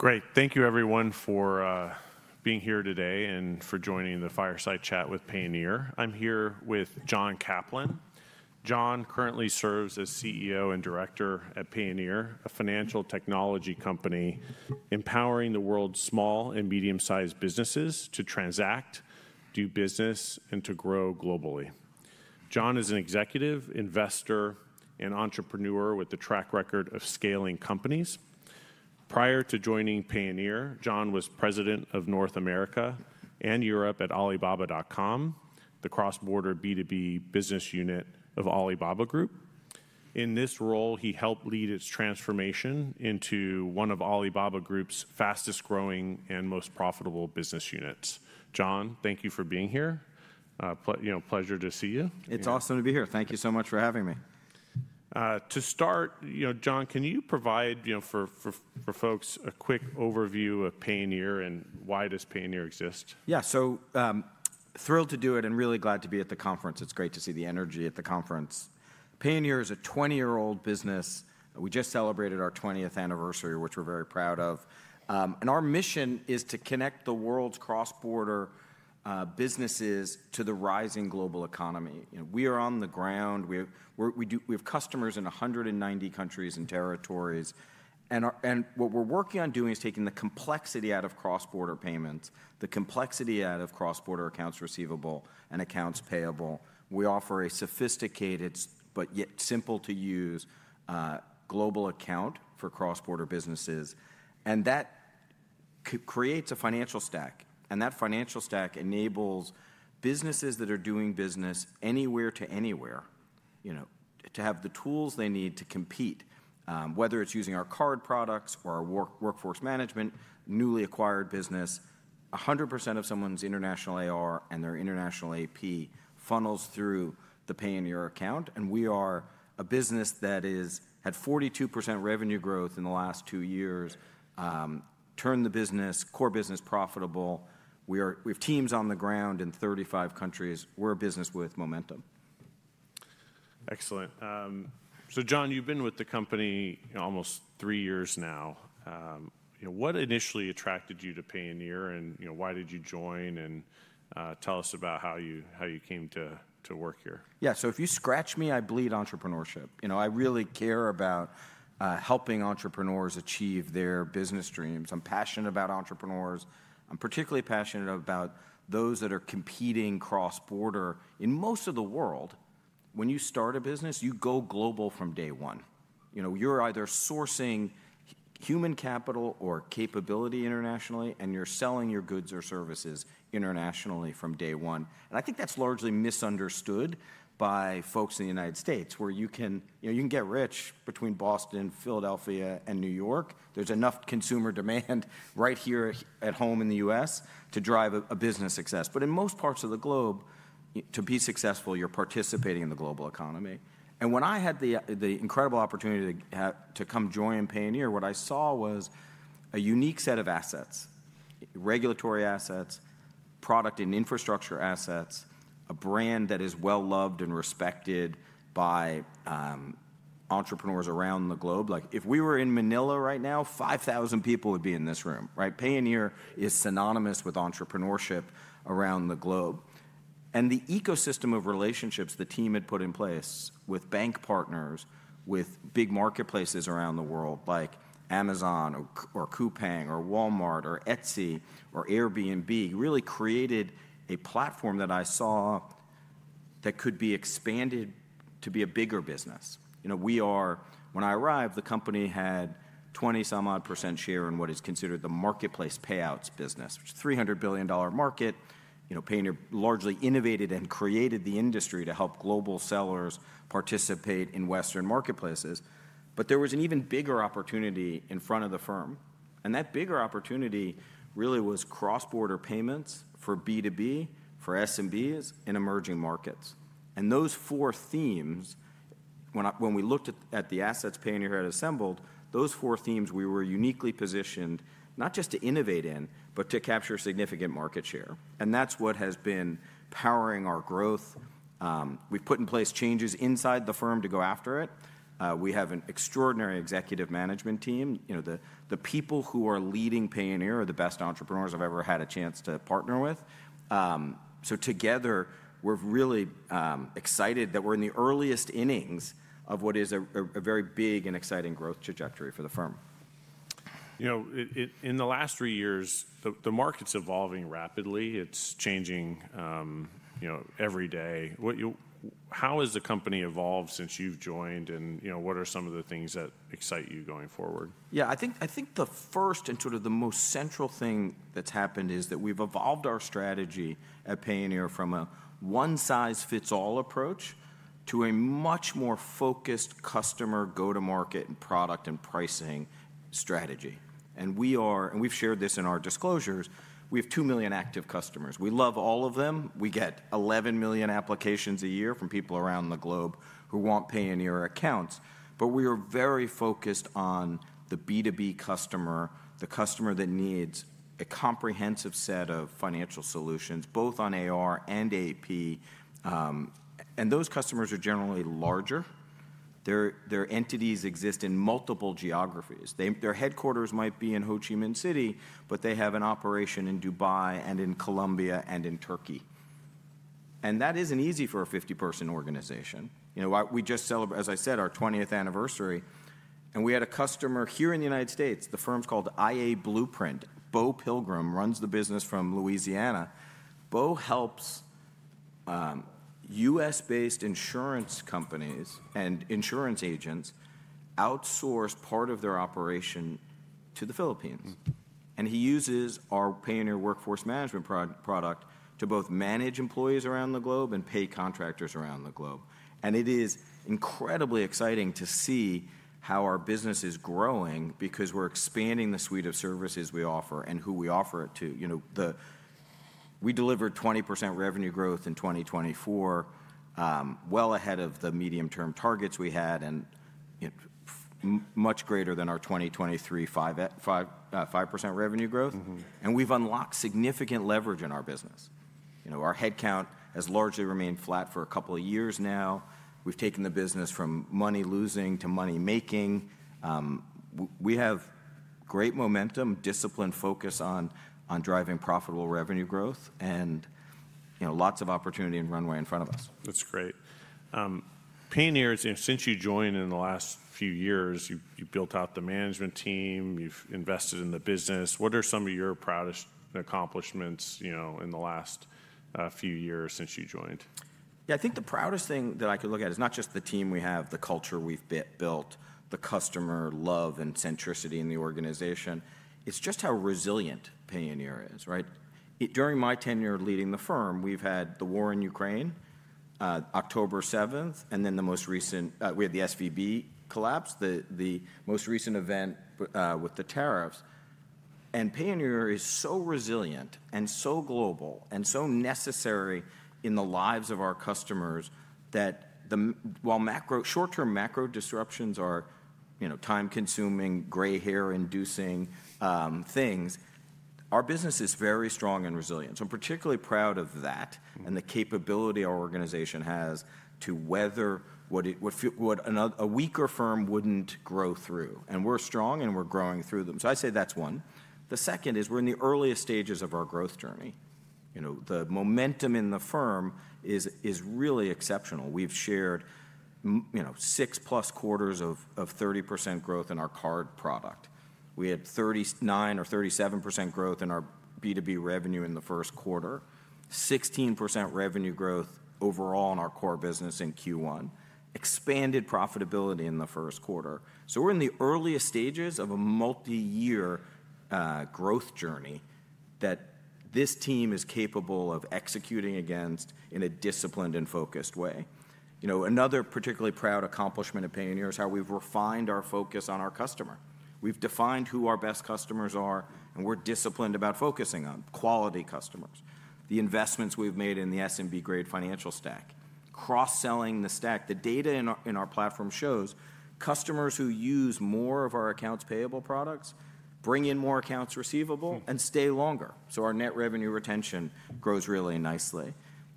Great. Thank you, everyone, for being here today and for joining the fireside chat with Payoneer. I'm here with John Caplan. John currently serves as CEO and Director at Payoneer, a financial technology company empowering the world's small and medium-sized businesses to transact, do business, and to grow globally. John is an executive, investor, and entrepreneur with a track record of scaling companies. Prior to joining Payoneer, John was President of North America and Europe at alibaba.com, the cross-border B2B business unit of Alibaba Group. In this role, he helped lead its transformation into one of Alibaba Group's fastest-growing and most profitable business units. John, thank you for being here. Pleasure to see you. It's awesome to be here. Thank you so much for having me. To start, John, can you provide for folks a quick overview of Payoneer and why does Payoneer exist? Yeah, so thrilled to do it and really glad to be at the conference. It's great to see the energy at the conference. Payoneer is a 20-year-old business. We just celebrated our 20th anniversary, which we're very proud of. Our mission is to connect the world's cross-border businesses to the rising global economy. We are on the ground. We have customers in 190 countries and territories. What we're working on doing is taking the complexity out of cross-border payments, the complexity out of cross-border accounts receivable and accounts payable. We offer a sophisticated but yet simple-to-use global account for cross-border businesses. That creates a financial stack. That financial stack enables businesses that are doing business anywhere to anywhere to have the tools they need to compete, whether it's using our card products or our workforce management, newly acquired business. 100% of someone's international AR and their international AP funnels through the Payoneer account. We are a business that had 42% revenue growth in the last two years, turned the core business profitable. We have teams on the ground in 35 countries. We're a business with momentum. Excellent. John, you've been with the company almost three years now. What initially attracted you to Payoneer? Why did you join? Tell us about how you came to work here. Yeah, so if you scratch me, I bleed entrepreneurship. I really care about helping entrepreneurs achieve their business dreams. I'm passionate about entrepreneurs. I'm particularly passionate about those that are competing cross-border. In most of the world, when you start a business, you go global from day one. You're either sourcing human capital or capability internationally, and you're selling your goods or services internationally from day one. I think that's largely misunderstood by folks in the U.S., where you can get rich between Boston, Philadelphia, and New York. There's enough consumer demand right here at home in the U.S. to drive a business success. In most parts of the globe, to be successful, you're participating in the global economy. When I had the incredible opportunity to come join Payoneer, what I saw was a unique set of assets: regulatory assets, product and infrastructure assets, a brand that is well-loved and respected by entrepreneurs around the globe. If we were in Manila right now, 5,000 people would be in this room. Payoneer is synonymous with entrepreneurship around the globe. The ecosystem of relationships the team had put in place with bank partners, with big marketplaces around the world, like Amazon, Coupang, Walmart, Etsy, or Airbnb, really created a platform that I saw that could be expanded to be a bigger business. When I arrived, the company had 20-some-odd % share in what is considered the marketplace payouts business, which is a $300 billion market. Payoneer largely innovated and created the industry to help global sellers participate in Western marketplaces. There was an even bigger opportunity in front of the firm. That bigger opportunity really was cross-border payments for B2B, for SMBs, and emerging markets. Those four themes, when we looked at the assets Payoneer had assembled, those four themes we were uniquely positioned not just to innovate in, but to capture significant market share. That's what has been powering our growth. We've put in place changes inside the firm to go after it. We have an extraordinary executive management team. The people who are leading Payoneer are the best entrepreneurs I've ever had a chance to partner with. Together, we're really excited that we're in the earliest innings of what is a very big and exciting growth trajectory for the firm. In the last three years, the market's evolving rapidly. It's changing every day. How has the company evolved since you've joined? What are some of the things that excite you going forward? Yeah, I think the first and sort of the most central thing that's happened is that we've evolved our strategy at Payoneer from a one-size-fits-all approach to a much more focused customer go-to-market and product and pricing strategy. We have shared this in our disclosures. We have 2 million active customers. We love all of them. We get 11 million applications a year from people around the globe who want Payoneer accounts. We are very focused on the B2B customer, the customer that needs a comprehensive set of financial solutions, both on AR and AP. Those customers are generally larger. Their entities exist in multiple geographies. Their headquarters might be in Ho Chi Minh City, but they have an operation in Dubai and in Colombia and in Turkey. That is not easy for a 50-person organization. We just celebrated, as I said, our 20th anniversary. We had a customer here in the United States. The firm's called IA Blueprint. Beau Pilgrim runs the business from Louisiana. Beau helps U.S.-based insurance companies and insurance agents outsource part of their operation to the Philippines. He uses our Payoneer Workforce Management product to both manage employees around the globe and pay contractors around the globe. It is incredibly exciting to see how our business is growing because we are expanding the suite of services we offer and who we offer it to. We delivered 20% revenue growth in 2024, well ahead of the medium-term targets we had and much greater than our 2023 5% revenue growth. We have unlocked significant leverage in our business. Our headcount has largely remained flat for a couple of years now. We have taken the business from money-losing to money-making. We have great momentum, disciplined focus on driving profitable revenue growth, and lots of opportunity and runway in front of us. That's great. Payoneer, since you joined in the last few years, you've built out the management team. You've invested in the business. What are some of your proudest accomplishments in the last few years since you joined? Yeah, I think the proudest thing that I could look at is not just the team we have, the culture we've built, the customer love and centricity in the organization. It's just how resilient Payoneer is. During my tenure leading the firm, we've had the war in Ukraine, October 7, and then the most recent we had the SVB collapse, the most recent event with the tariffs. Payoneer is so resilient and so global and so necessary in the lives of our customers that while short-term macro disruptions are time-consuming, gray hair-inducing things, our business is very strong and resilient. I'm particularly proud of that and the capability our organization has to weather what a weaker firm wouldn't grow through. We're strong, and we're growing through them. I'd say that's one. The second is we're in the earliest stages of our growth journey. The momentum in the firm is really exceptional. We've shared six-plus quarters of 30% growth in our card product. We had 39% or 37% growth in our B2B revenue in the first quarter, 16% revenue growth overall in our core business in Q1, expanded profitability in the first quarter. We are in the earliest stages of a multi-year growth journey that this team is capable of executing against in a disciplined and focused way. Another particularly proud accomplishment of Payoneer is how we've refined our focus on our customer. We've defined who our best customers are, and we're disciplined about focusing on quality customers. The investments we've made in the SMB-grade financial stack, cross-selling the stack. The data in our platform shows customers who use more of our accounts payable products bring in more accounts receivable and stay longer. Our net revenue retention grows really nicely.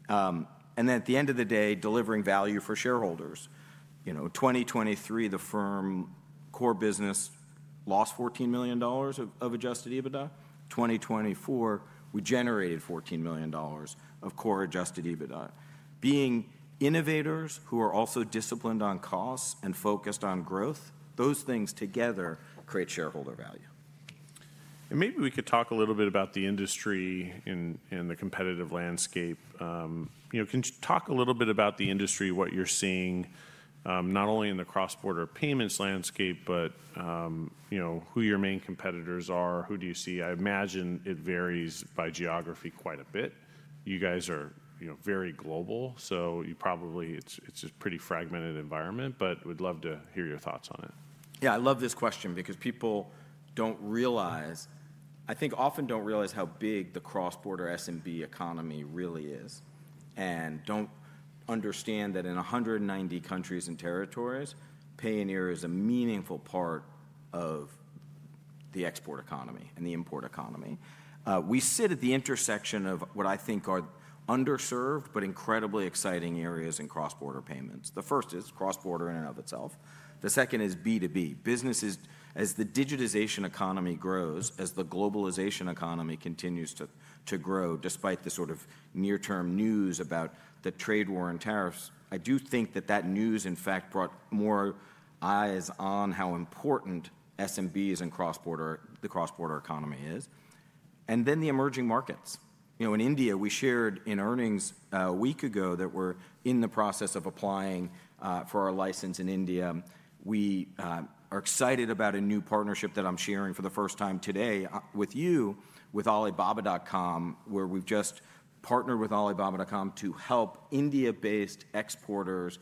At the end of the day, delivering value for shareholders. In 2023, the firm core business lost $14 million of adjusted EBITDA. In 2024, we generated $14 million of core adjusted EBITDA. Being innovators who are also disciplined on costs and focused on growth, those things together create shareholder value. Maybe we could talk a little bit about the industry and the competitive landscape. Can you talk a little bit about the industry, what you're seeing, not only in the cross-border payments landscape, but who your main competitors are? Who do you see? I imagine it varies by geography quite a bit. You guys are very global, so it's a pretty fragmented environment. We'd love to hear your thoughts on it. Yeah, I love this question because people don't realize, I think often don't realize how big the cross-border SMB economy really is and don't understand that in 190 countries and territories, Payoneer is a meaningful part of the export economy and the import economy. We sit at the intersection of what I think are underserved but incredibly exciting areas in cross-border payments. The first is cross-border in and of itself. The second is B2B. Businesses, as the digitization economy grows, as the globalization economy continues to grow, despite the sort of near-term news about the trade war and tariffs, I do think that that news, in fact, brought more eyes on how important SMBs and the cross-border economy is. And then the emerging markets. In India, we shared in earnings a week ago that we're in the process of applying for our license in India. We are excited about a new partnership that I'm sharing for the first time today with you, with Alibaba.com, where we've just partnered with Alibaba.com to help India-based exporters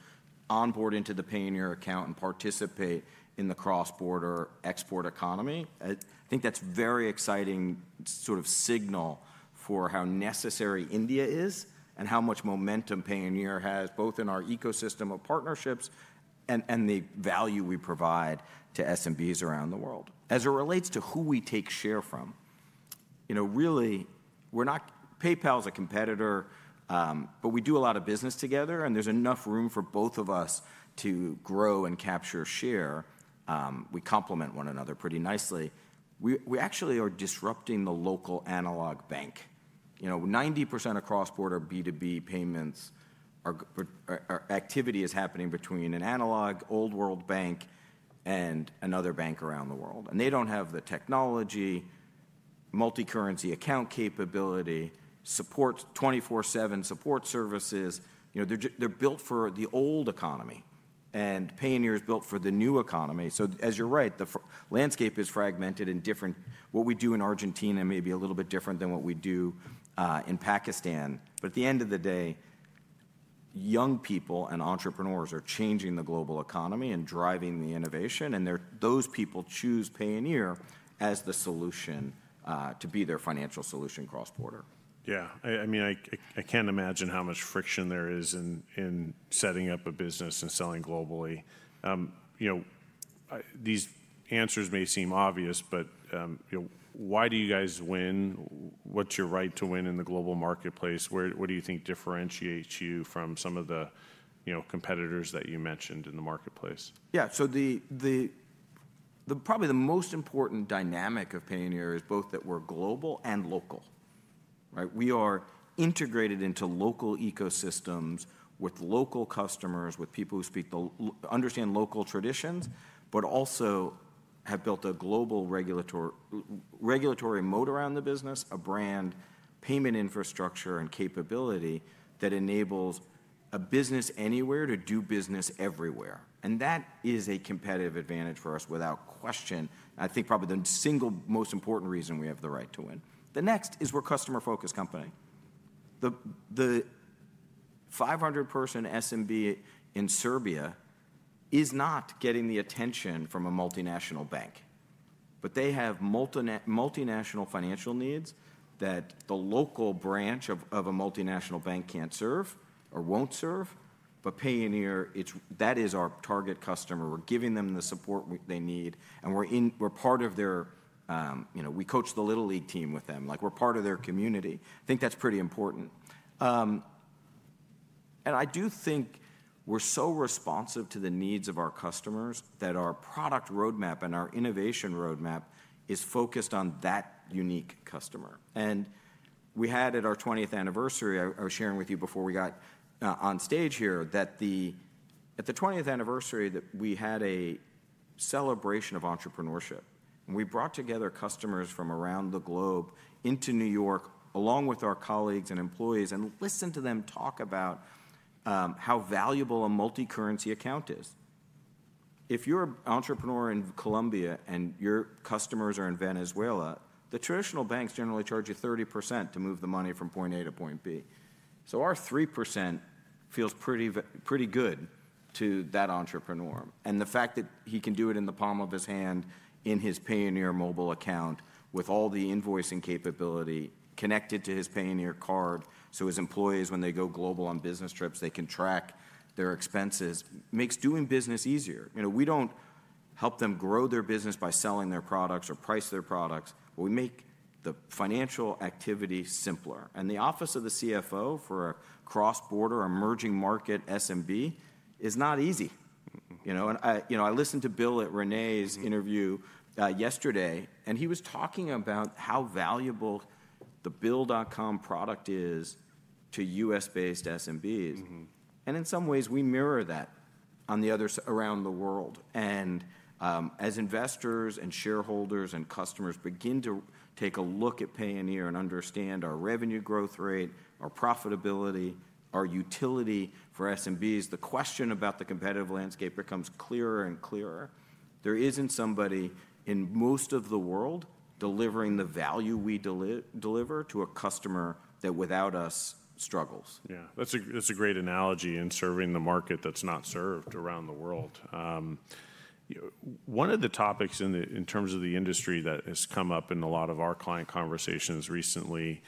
onboard into the Payoneer account and participate in the cross-border export economy. I think that's a very exciting sort of signal for how necessary India is and how much momentum Payoneer has, both in our ecosystem of partnerships and the value we provide to SMBs around the world. As it relates to who we take share from, really, PayPal is a competitor, but we do a lot of business together. There's enough room for both of us to grow and capture share. We complement one another pretty nicely. We actually are disrupting the local analog bank. 90% of cross-border B2B payments activity is happening between an analog old-world bank and another bank around the world. They do not have the technology, multi-currency account capability, 24/7 support services. They are built for the old economy. Payoneer is built for the new economy. As you are right, the landscape is fragmented and different. What we do in Argentina may be a little bit different than what we do in Pakistan. At the end of the day, young people and entrepreneurs are changing the global economy and driving the innovation. Those people choose Payoneer as the solution to be their financial solution cross-border. Yeah. I mean, I can't imagine how much friction there is in setting up a business and selling globally. These answers may seem obvious, but why do you guys win? What's your right to win in the global marketplace? What do you think differentiates you from some of the competitors that you mentioned in the marketplace? Yeah, so probably the most important dynamic of Payoneer is both that we're global and local. We are integrated into local ecosystems with local customers, with people who understand local traditions, but also have built a global regulatory moat around the business, a brand, payment infrastructure, and capability that enables a business anywhere to do business everywhere. That is a competitive advantage for us without question. I think probably the single most important reason we have the right to win. The next is we're a customer-focused company. The 500-person SMB in Serbia is not getting the attention from a multinational bank. They have multinational financial needs that the local branch of a multinational bank can't serve or won't serve. Payoneer, that is our target customer. We're giving them the support they need. We're part of their we coach the Little League team with them. We're part of their community. I think that's pretty important. I do think we're so responsive to the needs of our customers that our product roadmap and our innovation roadmap is focused on that unique customer. We had, at our 20th anniversary, I was sharing with you before we got on stage here, that at the 20th anniversary, we had a celebration of entrepreneurship. We brought together customers from around the globe into New York, along with our colleagues and employees, and listened to them talk about how valuable a multi-currency account is. If you're an entrepreneur in Colombia and your customers are in Venezuela, the traditional banks generally charge you 30% to move the money from point A to point B. Our 3% feels pretty good to that entrepreneur. The fact that he can do it in the palm of his hand in his Payoneer mobile account with all the invoicing capability connected to his Payoneer card so his employees, when they go global on business trips, they can track their expenses, makes doing business easier. We do not help them grow their business by selling their products or price their products. We make the financial activity simpler. The office of the CFO for a cross-border emerging market SMB is not easy. I listened to Bill at René's interview yesterday, and he was talking about how valuable the Build.com product is to US-based SMBs. In some ways, we mirror that around the world. As investors and shareholders and customers begin to take a look at Payoneer and understand our revenue growth rate, our profitability, our utility for SMBs, the question about the competitive landscape becomes clearer and clearer. There isn't somebody in most of the world delivering the value we deliver to a customer that, without us, struggles. Yeah. That's a great analogy in serving the market that's not served around the world. One of the topics in terms of the industry that has come up in a lot of our client conversations recently,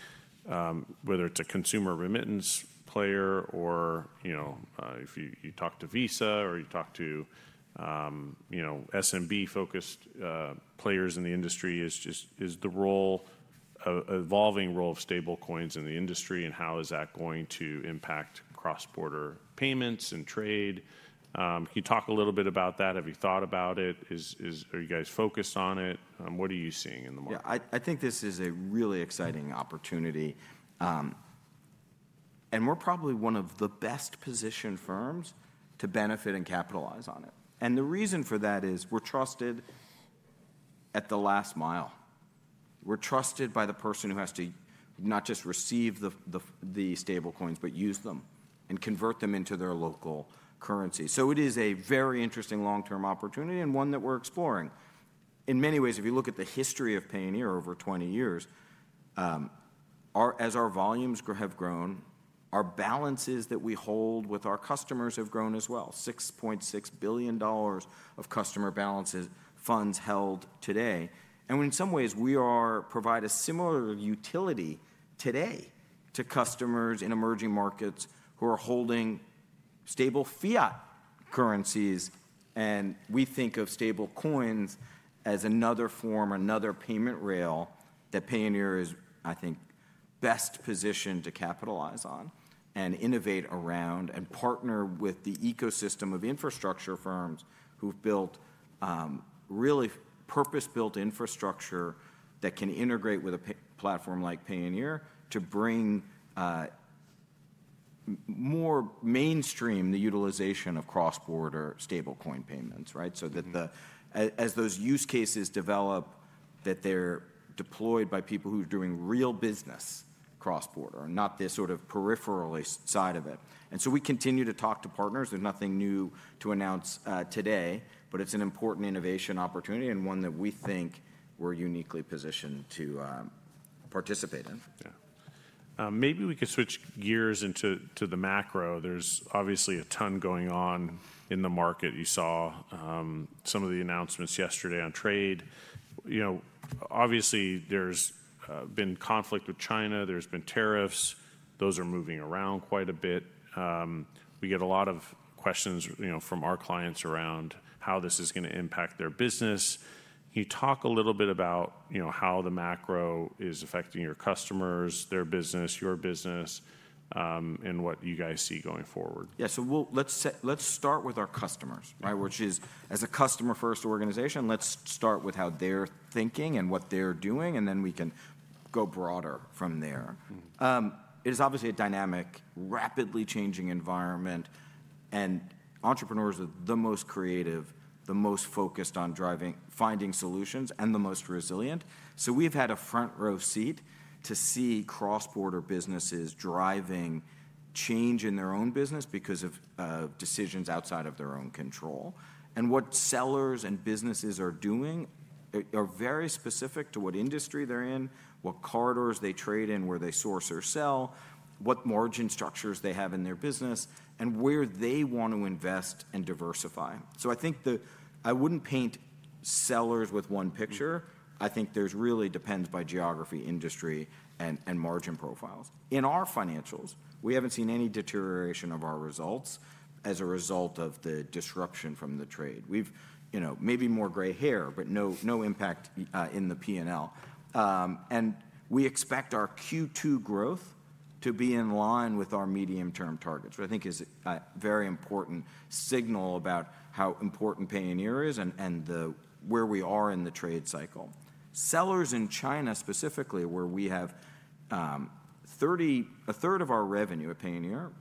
whether it's a consumer remittance player or if you talk to Visa or you talk to SMB-focused players in the industry, is the evolving role of stablecoins in the industry and how is that going to impact cross-border payments and trade. Can you talk a little bit about that? Have you thought about it? Are you guys focused on it? What are you seeing in the market? Yeah, I think this is a really exciting opportunity. We're probably one of the best-positioned firms to benefit and capitalize on it. The reason for that is we're trusted at the last mile. We're trusted by the person who has to not just receive the stablecoins but use them and convert them into their local currency. It is a very interesting long-term opportunity and one that we're exploring. In many ways, if you look at the history of Payoneer over 20 years, as our volumes have grown, our balances that we hold with our customers have grown as well: $6.6 billion of customer balances, funds held today. In some ways, we provide a similar utility today to customers in emerging markets who are holding stable fiat currencies. We think of stablecoins as another form, another payment rail that Payoneer is, I think, best positioned to capitalize on and innovate around and partner with the ecosystem of infrastructure firms who have built really purpose-built infrastructure that can integrate with a platform like Payoneer to bring more mainstream utilization of cross-border stablecoin payments, right? As those use cases develop, that they are deployed by people who are doing real business cross-border, not this sort of peripheral side of it. We continue to talk to partners. There is nothing new to announce today, but it is an important innovation opportunity and one that we think we are uniquely positioned to participate in. Yeah. Maybe we could switch gears into the macro. There's obviously a ton going on in the market. You saw some of the announcements yesterday on trade. Obviously, there's been conflict with China. There's been tariffs. Those are moving around quite a bit. We get a lot of questions from our clients around how this is going to impact their business. Can you talk a little bit about how the macro is affecting your customers, their business, your business, and what you guys see going forward? Yeah, so let's start with our customers, which is, as a customer-first organization, let's start with how they're thinking and what they're doing, and then we can go broader from there. It is obviously a dynamic, rapidly changing environment. Entrepreneurs are the most creative, the most focused on finding solutions, and the most resilient. We've had a front-row seat to see cross-border businesses driving change in their own business because of decisions outside of their own control. What sellers and businesses are doing are very specific to what industry they're in, what corridors they trade in, where they source or sell, what margin structures they have in their business, and where they want to invest and diversify. I think I wouldn't paint sellers with one picture. I think it really depends by geography, industry, and margin profiles. In our financials, we haven't seen any deterioration of our results as a result of the disruption from the trade. We've maybe more gray hair, but no impact in the P&L. We expect our Q2 growth to be in line with our medium-term targets, which I think is a very important signal about how important Payoneer is and where we are in the trade cycle. Sellers in China specifically, where we have a third of our revenue at Payoneer,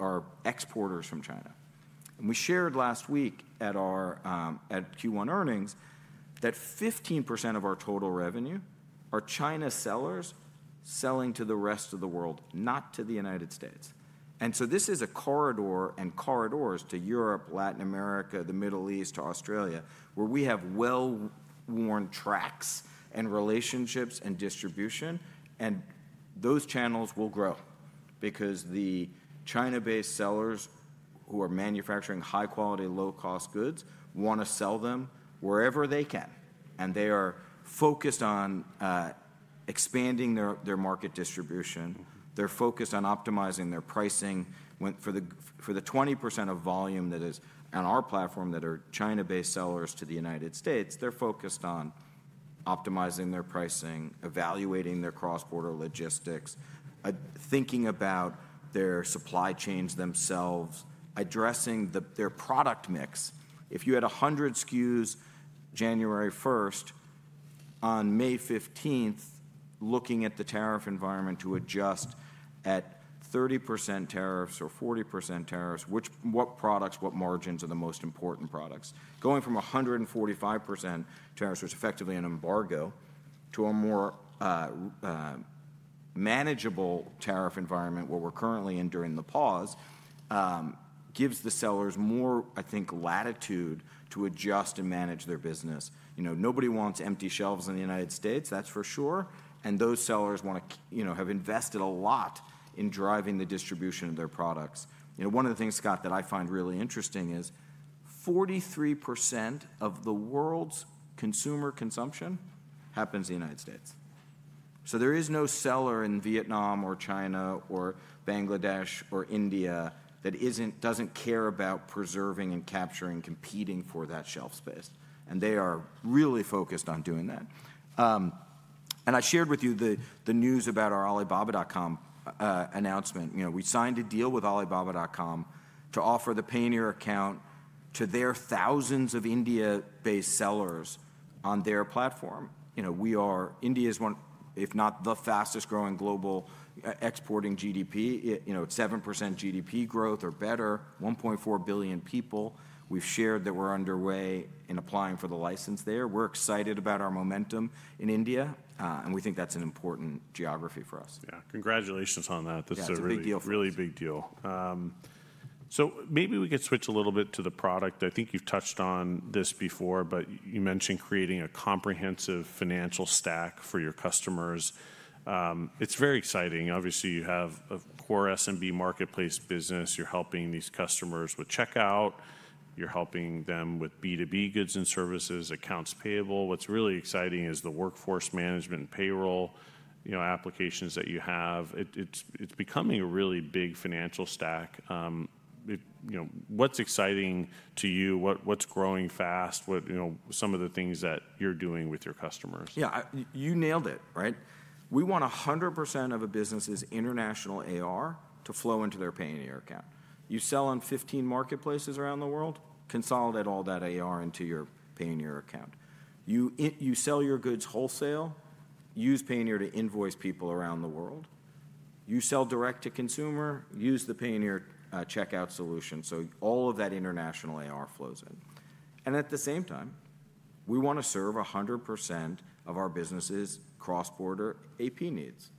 are exporters from China. We shared last week at Q1 earnings that 15% of our total revenue are China sellers selling to the rest of the world, not to the United States. This is a corridor and corridors to Europe, Latin America, the Middle East, to Australia, where we have well-worn tracks and relationships and distribution. Those channels will grow because the China-based sellers who are manufacturing high-quality, low-cost goods want to sell them wherever they can. They are focused on expanding their market distribution. They're focused on optimizing their pricing. For the 20% of volume that is on our platform that are China-based sellers to the United States, they're focused on optimizing their pricing, evaluating their cross-border logistics, thinking about their supply chains themselves, addressing their product mix. If you had 100 SKUs January 1, on May 15, looking at the tariff environment to adjust at 30% tariffs or 40% tariffs, what products, what margins are the most important products? Going from 145% tariffs, which is effectively an embargo, to a more manageable tariff environment, what we're currently in during the pause, gives the sellers more, I think, latitude to adjust and manage their business. Nobody wants empty shelves in the U.S., that's for sure. Those sellers have invested a lot in driving the distribution of their products. One of the things, Scott, that I find really interesting is 43% of the world's consumer consumption happens in the U.S. There is no seller in Vietnam or China or Bangladesh or India that doesn't care about preserving and capturing, competing for that shelf space. They are really focused on doing that. I shared with you the news about our Alibaba.com announcement. We signed a deal with Alibaba.com to offer the Payoneer account to their thousands of India-based sellers on their platform. India is one, if not the fastest-growing global exporting GDP. It's 7% GDP growth or better, 1.4 billion people. We've shared that we're underway in applying for the license there. We're excited about our momentum in India. We think that's an important geography for us. Yeah. Congratulations on that. That's a really big deal. Maybe we could switch a little bit to the product. I think you've touched on this before, but you mentioned creating a comprehensive financial stack for your customers. It's very exciting. Obviously, you have a core SMB marketplace business. You're helping these customers with checkout. You're helping them with B2B goods and services, accounts payable. What's really exciting is the workforce management and payroll applications that you have. It's becoming a really big financial stack. What's exciting to you? What's growing fast? Some of the things that you're doing with your customers. Yeah, you nailed it, right? We want 100% of a business's international AR to flow into their Payoneer account. You sell on 15 marketplaces around the world, consolidate all that AR into your Payoneer account. You sell your goods wholesale, use Payoneer to invoice people around the world. You sell direct to consumer, use the Payoneer checkout solution. All of that international AR flows in. At the same time, we want to serve 100% of our business's cross-border AP needs.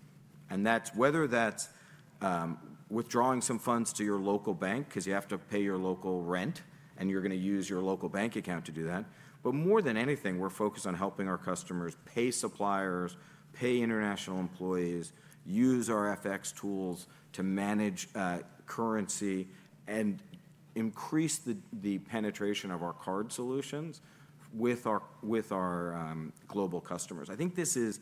Whether that's withdrawing some funds to your local bank because you have to pay your local rent, and you're going to use your local bank account to do that. More than anything, we're focused on helping our customers pay suppliers, pay international employees, use our FX tools to manage currency, and increase the penetration of our card solutions with our global customers. I think this is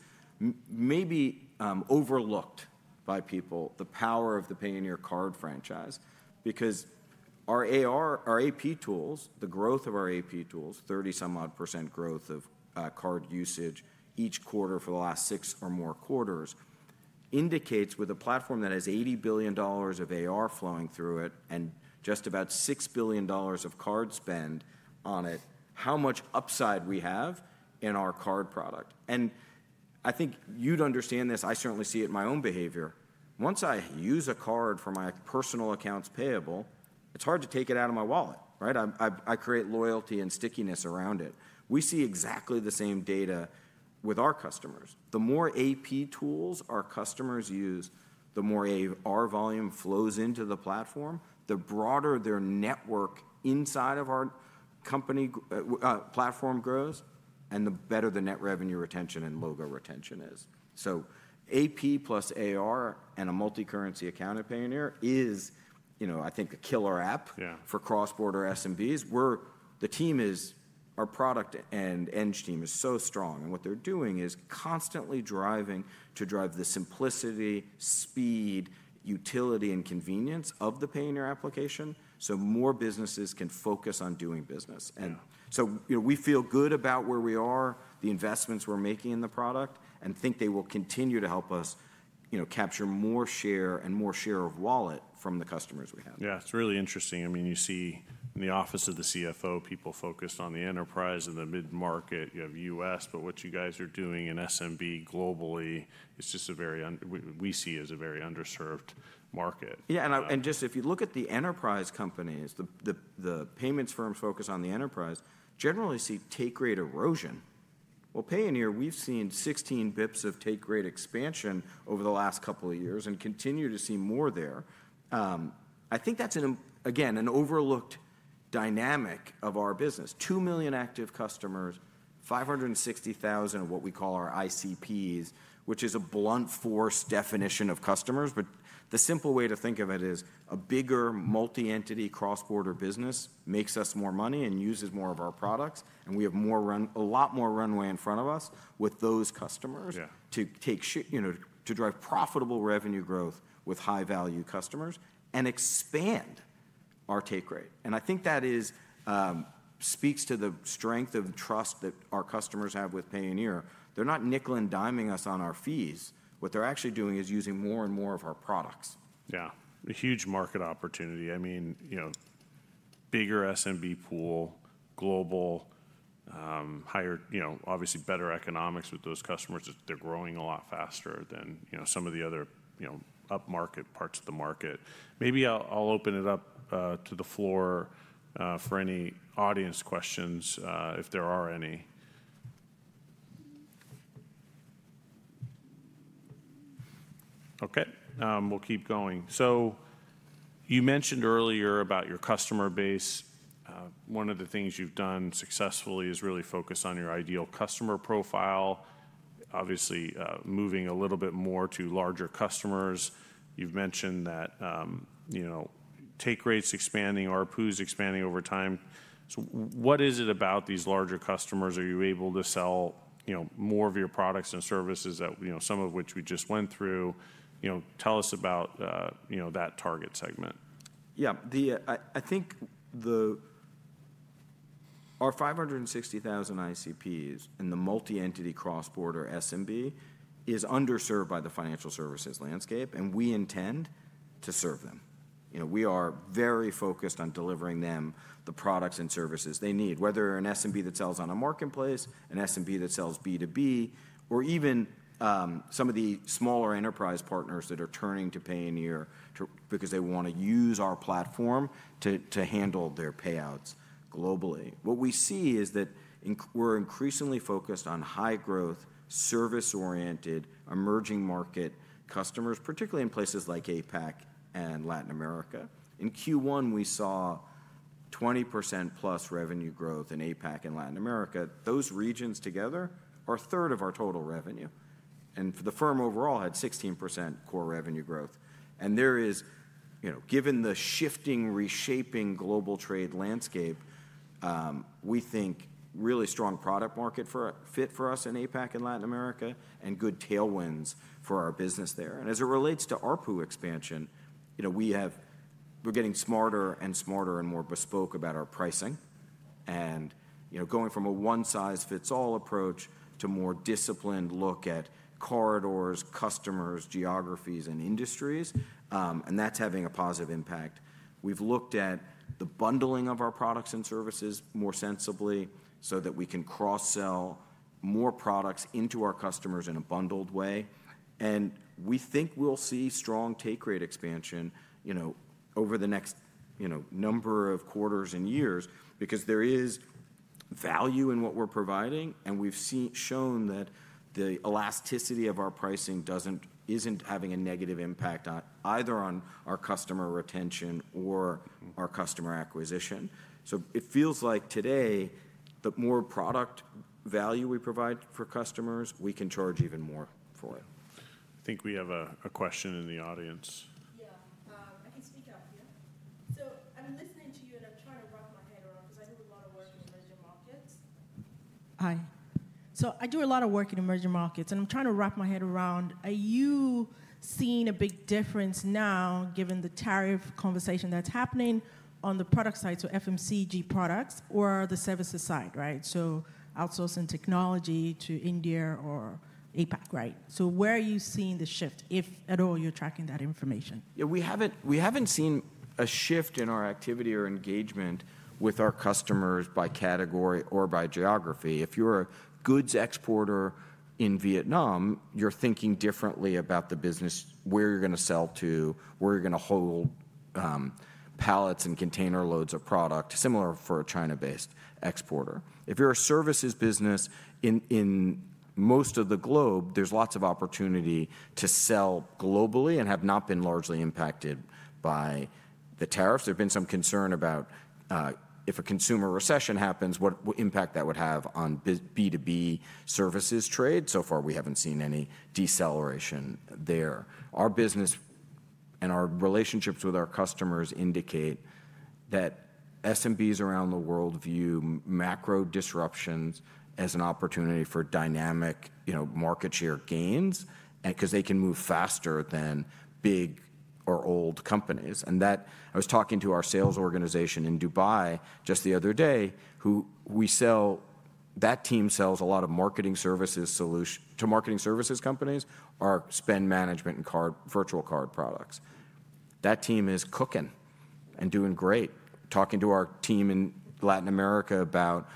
maybe overlooked by people, the power of the Payoneer Card franchise, because our AP tools, the growth of our AP tools, 30-some-odd % growth of card usage each quarter for the last six or more quarters, indicates with a platform that has $80 billion of AR flowing through it and just about $6 billion of card spend on it, how much upside we have in our card product. I think you'd understand this. I certainly see it in my own behavior. Once I use a card for my personal accounts payable, it's hard to take it out of my wallet, right? I create loyalty and stickiness around it. We see exactly the same data with our customers. The more AP tools our customers use, the more AR volume flows into the platform, the broader their network inside of our platform grows, and the better the net revenue retention and logo retention is. AP plus AR and a multi-currency account at Payoneer is, I think, a killer app for cross-border SMBs. The team is our product and edge team is so strong. What they're doing is constantly driving to drive the simplicity, speed, utility, and convenience of the Payoneer application so more businesses can focus on doing business. We feel good about where we are, the investments we're making in the product, and think they will continue to help us capture more share and more share of wallet from the customers we have. Yeah, it's really interesting. I mean, you see in the office of the CFO, people focused on the enterprise and the mid-market. You have U.S., but what you guys are doing in SMB globally is just a very, we see as a very underserved market. Yeah, and just if you look at the enterprise companies, the payments firms focused on the enterprise generally see take rate erosion. Payoneer, we've seen 16 basis points of take rate expansion over the last couple of years and continue to see more there. I think that's, again, an overlooked dynamic of our business: 2 million active customers, 560,000 of what we call our ICPs, which is a blunt force definition of customers. The simple way to think of it is a bigger multi-entity cross-border business makes us more money and uses more of our products. We have a lot more runway in front of us with those customers to drive profitable revenue growth with high-value customers and expand our take rate. I think that speaks to the strength of trust that our customers have with Payoneer. They're not nickel-and-diming us on our fees. What they're actually doing is using more and more of our products. Yeah, a huge market opportunity. I mean, bigger SMB pool, global, obviously better economics with those customers. They're growing a lot faster than some of the other up-market parts of the market. Maybe I'll open it up to the floor for any audience questions, if there are any. Okay, we'll keep going. You mentioned earlier about your customer base. One of the things you've done successfully is really focus on your ideal customer profile, obviously moving a little bit more to larger customers. You've mentioned that take rates expanding, ARPUs expanding over time. What is it about these larger customers? Are you able to sell more of your products and services, some of which we just went through? Tell us about that target segment. Yeah, I think our 560,000 ICPs and the multi-entity cross-border SMB is underserved by the financial services landscape, and we intend to serve them. We are very focused on delivering them the products and services they need, whether an SMB that sells on a marketplace, an SMB that sells B2B, or even some of the smaller enterprise partners that are turning to Payoneer because they want to use our platform to handle their payouts globally. What we see is that we're increasingly focused on high-growth, service-oriented, emerging market customers, particularly in places like APAC and Latin America. In Q1, we saw 20%+ revenue growth in APAC and Latin America. Those regions together are a third of our total revenue. The firm overall had 16% core revenue growth. Given the shifting, reshaping global trade landscape, we think really strong product market fit for us in APAC and Latin America and good tailwinds for our business there. As it relates to ARPU expansion, we're getting smarter and smarter and more bespoke about our pricing and going from a one-size-fits-all approach to a more disciplined look at corridors, customers, geographies, and industries. That's having a positive impact. We've looked at the bundling of our products and services more sensibly so that we can cross-sell more products into our customers in a bundled way. We think we'll see strong take rate expansion over the next number of quarters and years because there is value in what we're providing. We've shown that the elasticity of our pricing isn't having a negative impact either on our customer retention or our customer acquisition. It feels like today, the more product value we provide for customers, we can charge even more for it. I think we have a question in the audience. Yeah, I can speak up here. I'm listening to you, and I'm trying to wrap my head around because I do a lot of work in emerging markets. Hi. I do a lot of work in emerging markets, and I'm trying to wrap my head around. Are you seeing a big difference now, given the tariff conversation that's happening on the product side, so FMCG products, or the services side, right? Outsourcing technology to India or APAC, right? Where are you seeing the shift, if at all you're tracking that information? Yeah, we haven't seen a shift in our activity or engagement with our customers by category or by geography. If you're a goods exporter in Vietnam, you're thinking differently about the business, where you're going to sell to, where you're going to hold pallets and container loads of product, similar for a China-based exporter. If you're a services business, in most of the globe, there's lots of opportunity to sell globally and have not been largely impacted by the tariffs. There's been some concern about if a consumer recession happens, what impact that would have on B2B services trade. So far, we haven't seen any deceleration there. Our business and our relationships with our customers indicate that SMBs around the world view macro disruptions as an opportunity for dynamic market share gains because they can move faster than big or old companies. I was talking to our sales organization in Dubai just the other day, who we sell, that team sells a lot of marketing services to marketing services companies, our spend management and virtual card products. That team is cooking and doing great. I was talking to our team in Latin America about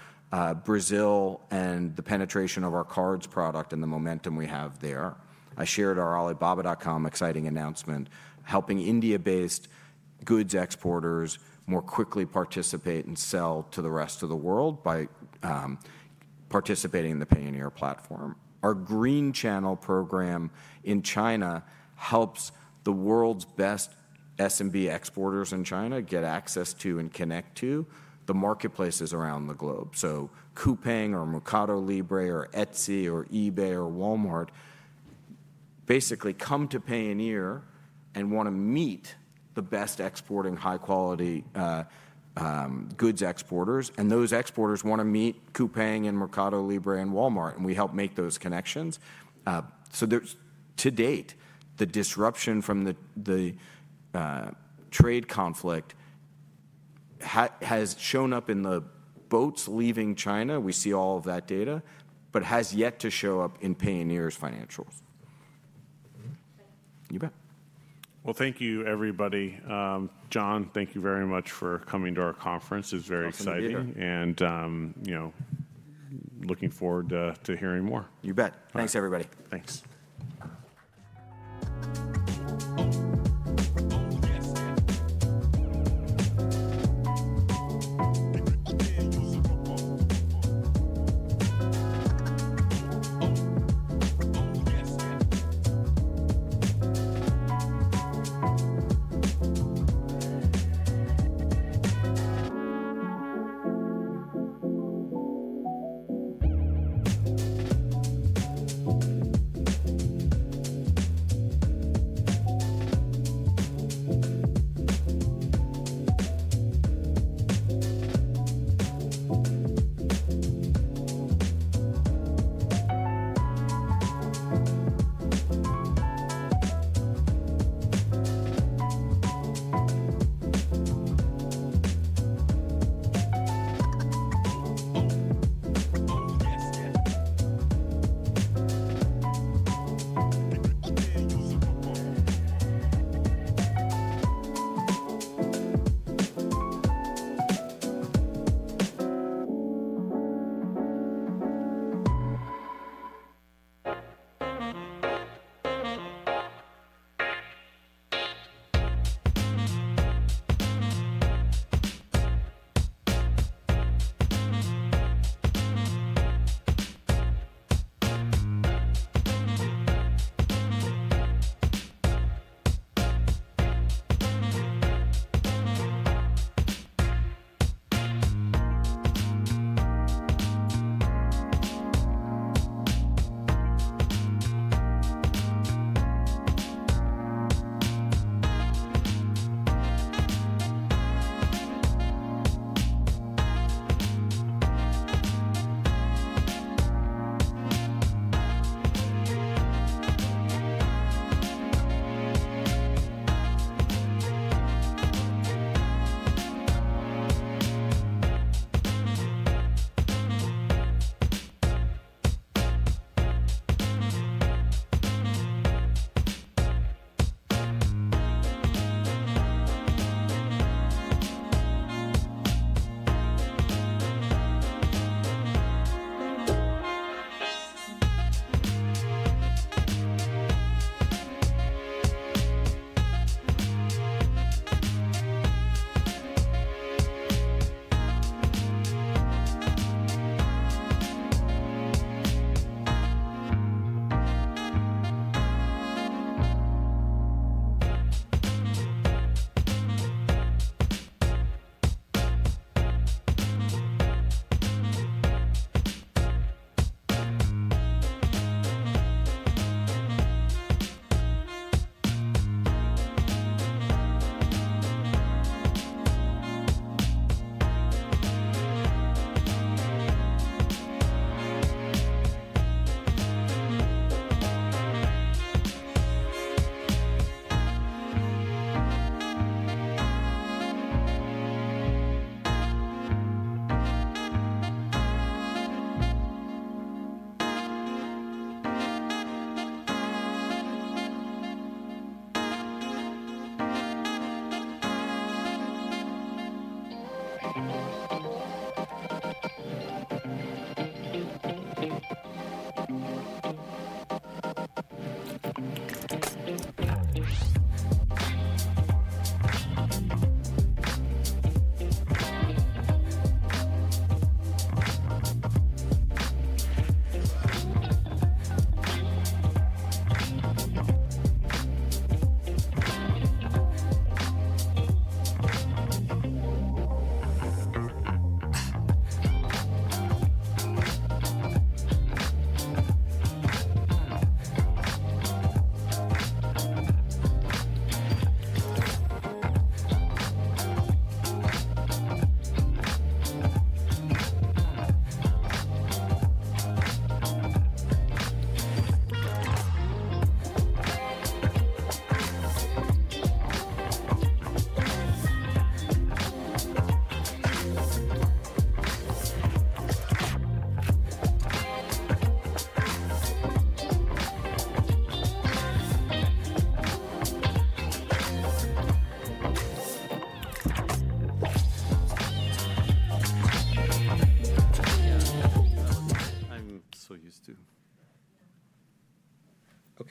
Brazil and the penetration of our cards product and the momentum we have there. I shared our Alibaba.com exciting announcement, helping India-based goods exporters more quickly participate and sell to the rest of the world by participating in the Payoneer platform. Our Green Channel program in China helps the world's best SMB exporters in China get access to and connect to the marketplaces around the globe. Coupang or Mercado Libre or Etsy or eBay or Walmart basically come to Payoneer and want to meet the best exporting high-quality goods exporters. Those exporters want to meet Coupang and Mercado Libre and Walmart, and we help make those connections. To date, the disruption from the trade conflict has shown up in the boats leaving China. We see all of that data, but it has yet to show up in Payoneer's financials. You bet. Thank you, everybody. John, thank you very much for coming to our conference. It's very exciting. Thank you. Looking forward to hearing more. You bet. Thanks, everybody. Thanks.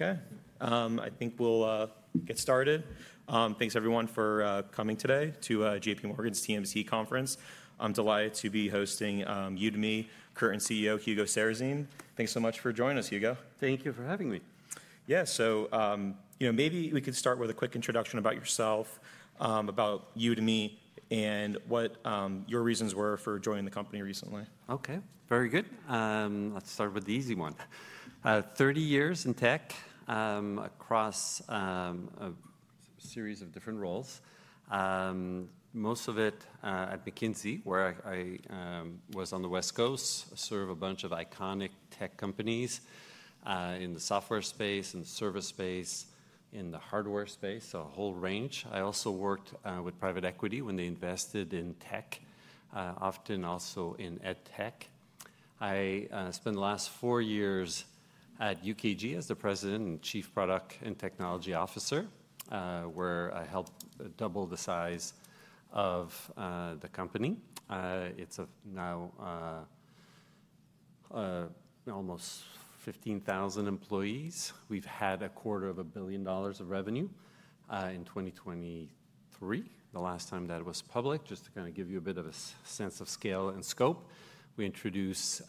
I'm so used to. Okay, I think we'll get started. Thanks, everyone, for coming today to JPMorgan's TMC conference. I'm delighted to be hosting Udemy, current CEO, Hugo Sarrazin. Thanks so much for joining us, Hugo. Thank you for having me. Yeah, so maybe we could start with a quick introduction about yourself, about you to me, and what your reasons were for joining the company recently. Okay, very good. Let's start with the easy one. Thirty years in tech across a series of different roles, most of it at McKinsey & Company, where I was on the West Coast, serve a bunch of iconic tech companies in the software space, in the service space, in the hardware space, a whole range. I also worked with private equity when they invested in tech, often also in ed tech. I spent the last four years at UKG as the President and Chief Product and Technology Officer, where I helped double the size of the company. It's now almost 15,000 employees. We've had a quarter of a billion dollars of revenue in 2023, the last time that was public. Just to kind of give you a bit of a sense of scale and scope, we introduced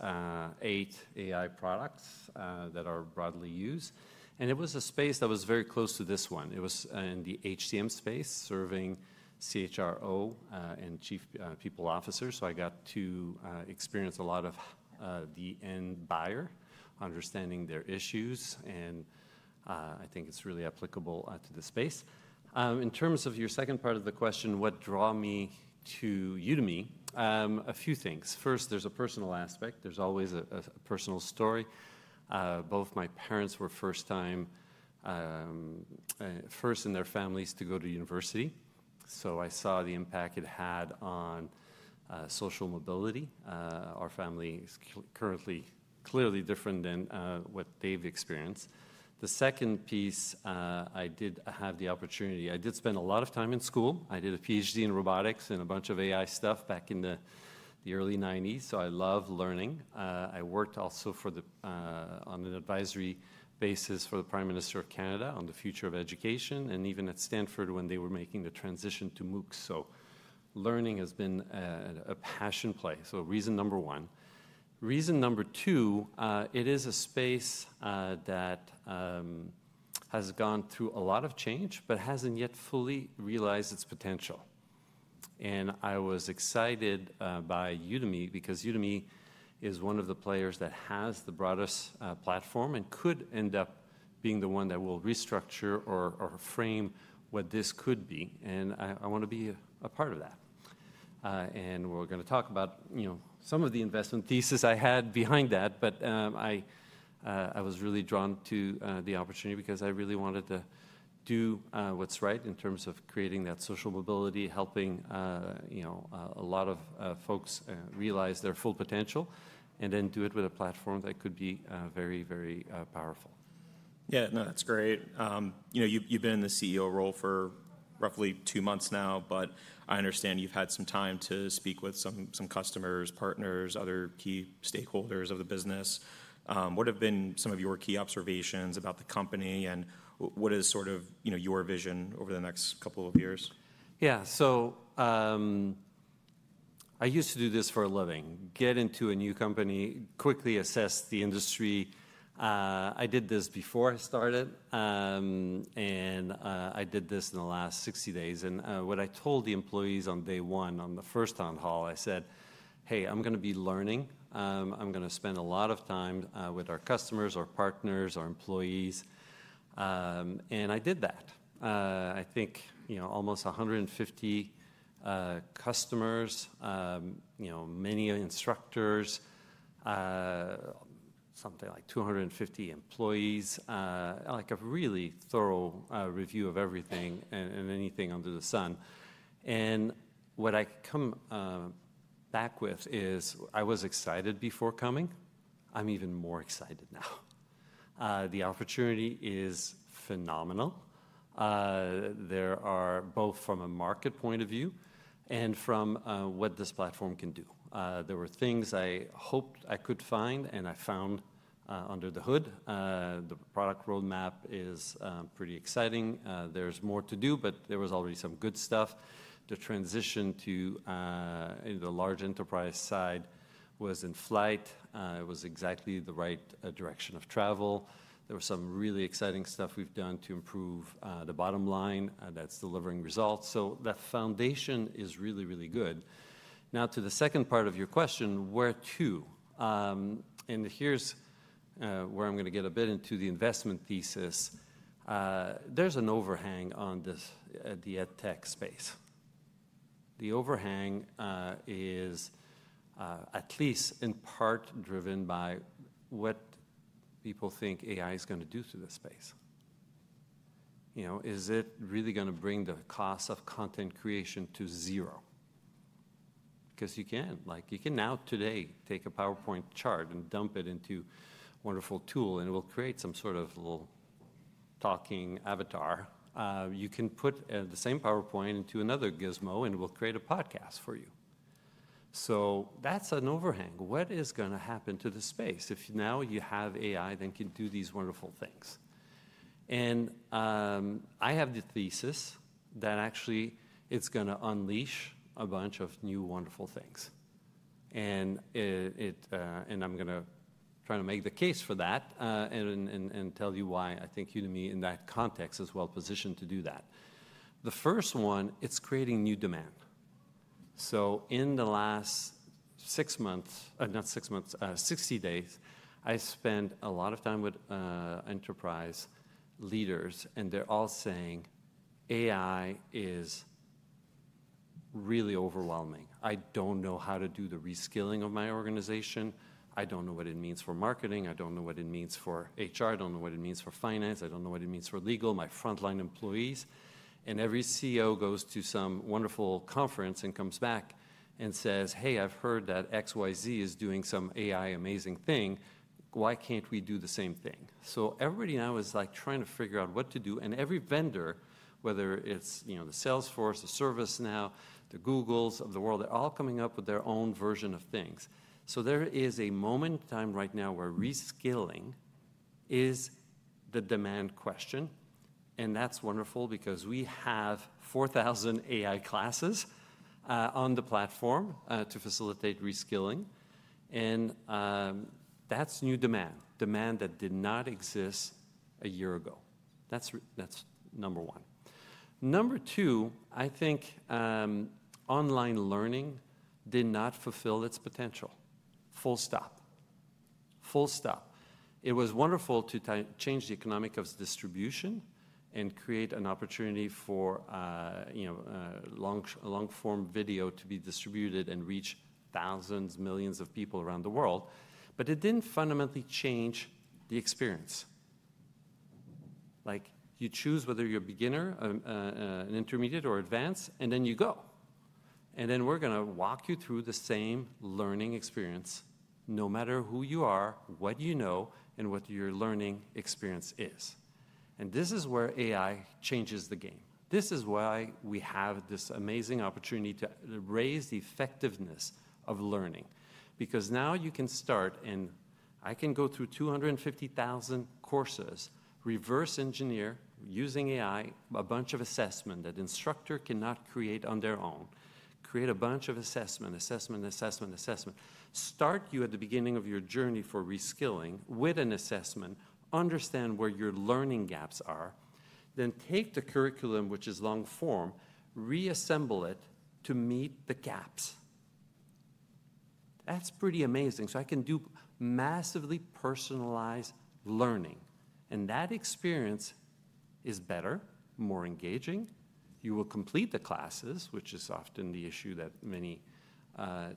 eight AI products that are broadly used. It was a space that was very close to this one. It was in the HCM space, serving CHRO and chief people officers. I got to experience a lot of the end buyer, understanding their issues. I think it's really applicable to the space. In terms of your second part of the question, what drew me to Udemy? A few things. First, there's a personal aspect. There's always a personal story. Both my parents were first in their families to go to university. I saw the impact it had on social mobility. Our family is currently clearly different than what they've experienced. The second piece, I did have the opportunity. I did spend a lot of time in school. I did a PhD in robotics and a bunch of AI stuff back in the early 1990s. I love learning. I worked also on an advisory basis for the Prime Minister of Canada on the future of education and even at Stanford when they were making the transition to MOOCs. Learning has been a passion play. Reason number one. Reason number two, it is a space that has gone through a lot of change, but hasn't yet fully realized its potential. I was excited by Udemy because Udemy is one of the players that has the broadest platform and could end up being the one that will restructure or frame what this could be. I want to be a part of that. We're going to talk about some of the investment thesis I had behind that. I was really drawn to the opportunity because I really wanted to do what's right in terms of creating that social mobility, helping a lot of folks realize their full potential, and then do it with a platform that could be very, very powerful. Yeah, no, that's great. You've been in the CEO role for roughly two months now, but I understand you've had some time to speak with some customers, partners, other key stakeholders of the business. What have been some of your key observations about the company and what is sort of your vision over the next couple of years? Yeah, so I used to do this for a living. Get into a new company, quickly assess the industry. I did this before I started, and I did this in the last 60 days. What I told the employees on day one, on the first town hall, I said, "Hey, I'm going to be learning. I'm going to spend a lot of time with our customers, our partners, our employees." I did that. I think almost 150 customers, many instructors, something like 250 employees, like a really thorough review of everything and anything under the sun. What I come back with is I was excited before coming. I'm even more excited now. The opportunity is phenomenal. There are both from a market point of view and from what this platform can do. There were things I hoped I could find, and I found under the hood. The product roadmap is pretty exciting. There's more to do, but there was already some good stuff. The transition to the large enterprise side was in flight. It was exactly the right direction of travel. There was some really exciting stuff we've done to improve the bottom line that's delivering results. That foundation is really, really good. Now, to the second part of your question, where to? Here's where I'm going to get a bit into the investment thesis. There's an overhang on the ed tech space. The overhang is at least in part driven by what people think AI is going to do through this space. Is it really going to bring the cost of content creation to zero? Because you can. You can now today take a PowerPoint chart and dump it into a wonderful tool, and it will create some sort of little talking avatar. You can put the same PowerPoint into another gizmo, and it will create a podcast for you. That's an overhang. What is going to happen to the space if now you have AI that can do these wonderful things? I have the thesis that actually it's going to unleash a bunch of new wonderful things. I'm going to try to make the case for that and tell you why I think Udemy in that context is well positioned to do that. The first one, it's creating new demand. In the last six months, not six months, 60 days, I spent a lot of time with enterprise leaders, and they're all saying AI is really overwhelming. I don't know how to do the reskilling of my organization. I don't know what it means for marketing. I don't know what it means for HR. I don't know what it means for finance. I don't know what it means for legal, my frontline employees. Every CEO goes to some wonderful conference and comes back and says, "Hey, I've heard that XYZ is doing some AI amazing thing. Why can't we do the same thing?" Everybody now is like trying to figure out what to do. Every vendor, whether it's Salesforce, ServiceNow, the Googles of the world, they're all coming up with their own version of things. There is a moment in time right now where reskilling is the demand question. That's wonderful because we have 4,000 AI classes on the platform to facilitate reskilling. That's new demand, demand that did not exist a year ago. That's number one. Number two, I think online learning did not fulfill its potential. Full stop. Full stop. It was wonderful to change the economics of distribution and create an opportunity for long-form video to be distributed and reach thousands, millions of people around the world. It did not fundamentally change the experience. You choose whether you're a beginner, an intermediate, or advanced, and then you go. We are going to walk you through the same learning experience no matter who you are, what you know, and what your learning experience is. This is where AI changes the game. This is why we have this amazing opportunity to raise the effectiveness of learning. Because now you can start, and I can go through 250,000 courses, reverse engineer using AI, a bunch of assessment that instructor cannot create on their own, create a bunch of assessment, assessment, assessment, assessment. Start you at the beginning of your journey for reskilling with an assessment, understand where your learning gaps are, then take the curriculum, which is long-form, reassemble it to meet the gaps. That's pretty amazing. I can do massively personalized learning. That experience is better, more engaging. You will complete the classes, which is often the issue that many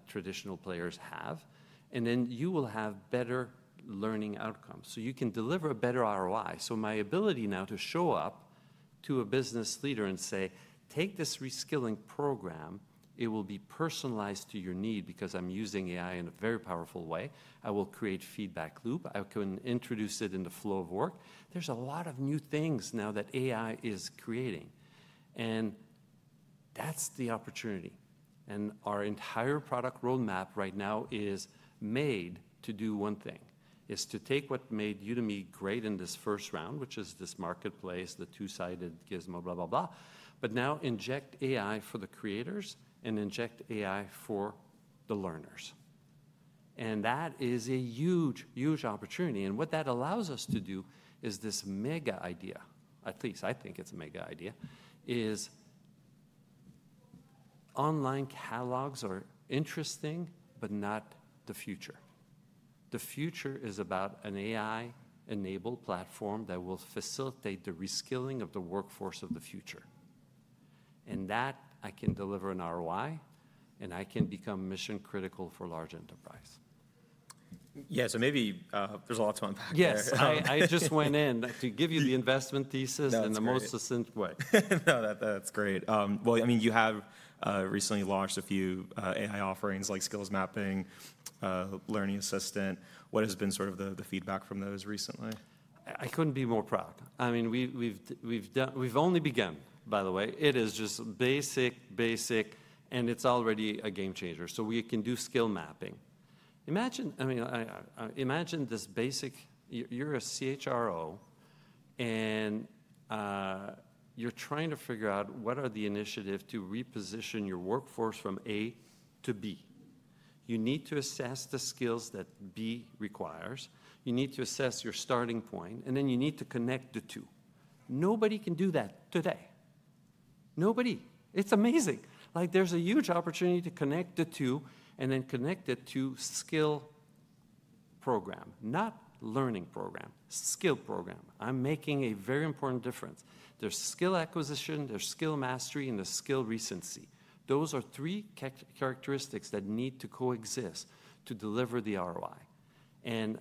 traditional players have. You will have better learning outcomes. You can deliver a better ROI. My ability now to show up to a business leader and say, "Take this reskilling program. It will be personalized to your need because I'm using AI in a very powerful way. I will create feedback loop. I can introduce it in the flow of work." There are a lot of new things now that AI is creating. That is the opportunity. Our entire product roadmap right now is made to do one thing, is to take what made Udemy great in this first round, which is this marketplace, the two-sided gizmo, blah, blah, blah, but now inject AI for the creators and inject AI for the learners. That is a huge, huge opportunity. What that allows us to do is this mega idea, at least I think it's a mega idea, is online catalogs are interesting, but not the future. The future is about an AI-enabled platform that will facilitate the reskilling of the workforce of the future. I can deliver an ROI, and I can become mission-critical for large enterprise. Yeah, so maybe there's a lot to unpack here. Yes, I just went in to give you the investment thesis in the most succinct way. No, that's great. I mean, you have recently launched a few AI offerings like Skills Mapping, Learning Assistant. What has been sort of the feedback from those recently? I couldn't be more proud. I mean, we've only begun, by the way. It is just basic, basic, and it's already a game changer. We can do skill mapping. Imagine this basic, you're a CHRO, and you're trying to figure out what are the initiatives to reposition your workforce from A to B. You need to assess the skills that B requires. You need to assess your starting point, and then you need to connect the two. Nobody can do that today. Nobody. It's amazing. There's a huge opportunity to connect the two and then connect it to skill program, not learning program, skill program. I'm making a very important difference. There's skill acquisition, there's skill mastery, and there's skill recency. Those are three characteristics that need to coexist to deliver the ROI.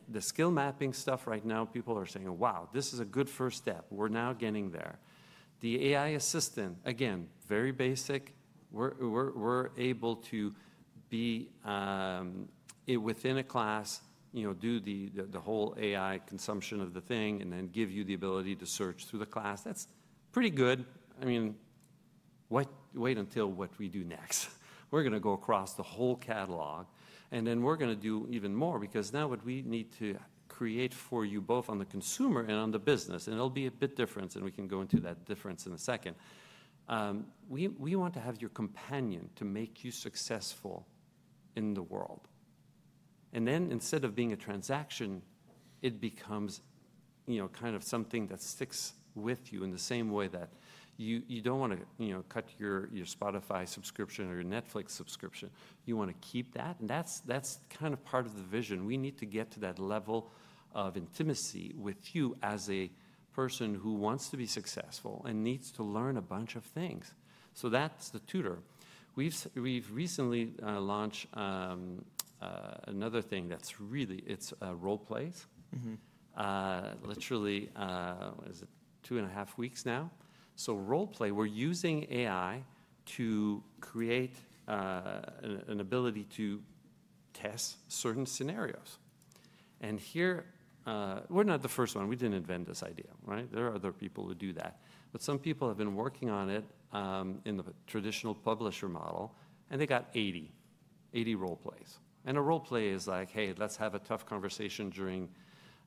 The skill mapping stuff right now, people are saying, "Wow, this is a good first step. We're now getting there." The AI assistant, again, very basic. We're able to be within a class, do the whole AI consumption of the thing, and then give you the ability to search through the class. That's pretty good. I mean, wait until what we do next. We're going to go across the whole catalog, and then we're going to do even more because now what we need to create for you both on the consumer and on the business, and it'll be a bit different, and we can go into that difference in a second. We want to have your companion to make you successful in the world. Instead of being a transaction, it becomes kind of something that sticks with you in the same way that you do not want to cut your Spotify subscription or your Netflix subscription. You want to keep that. That is kind of part of the vision. We need to get to that level of intimacy with you as a person who wants to be successful and needs to learn a bunch of things. That is the tutor. We have recently launched another thing that is really, it is a role play. Literally, is it two and a half weeks now? Role play, we are using AI to create an ability to test certain scenarios. Here, we are not the first one. We did not invent this idea, right? There are other people who do that. Some people have been working on it in the traditional publisher model, and they got 80, 80 role plays. And a role play is like, "Hey, let's have a tough conversation during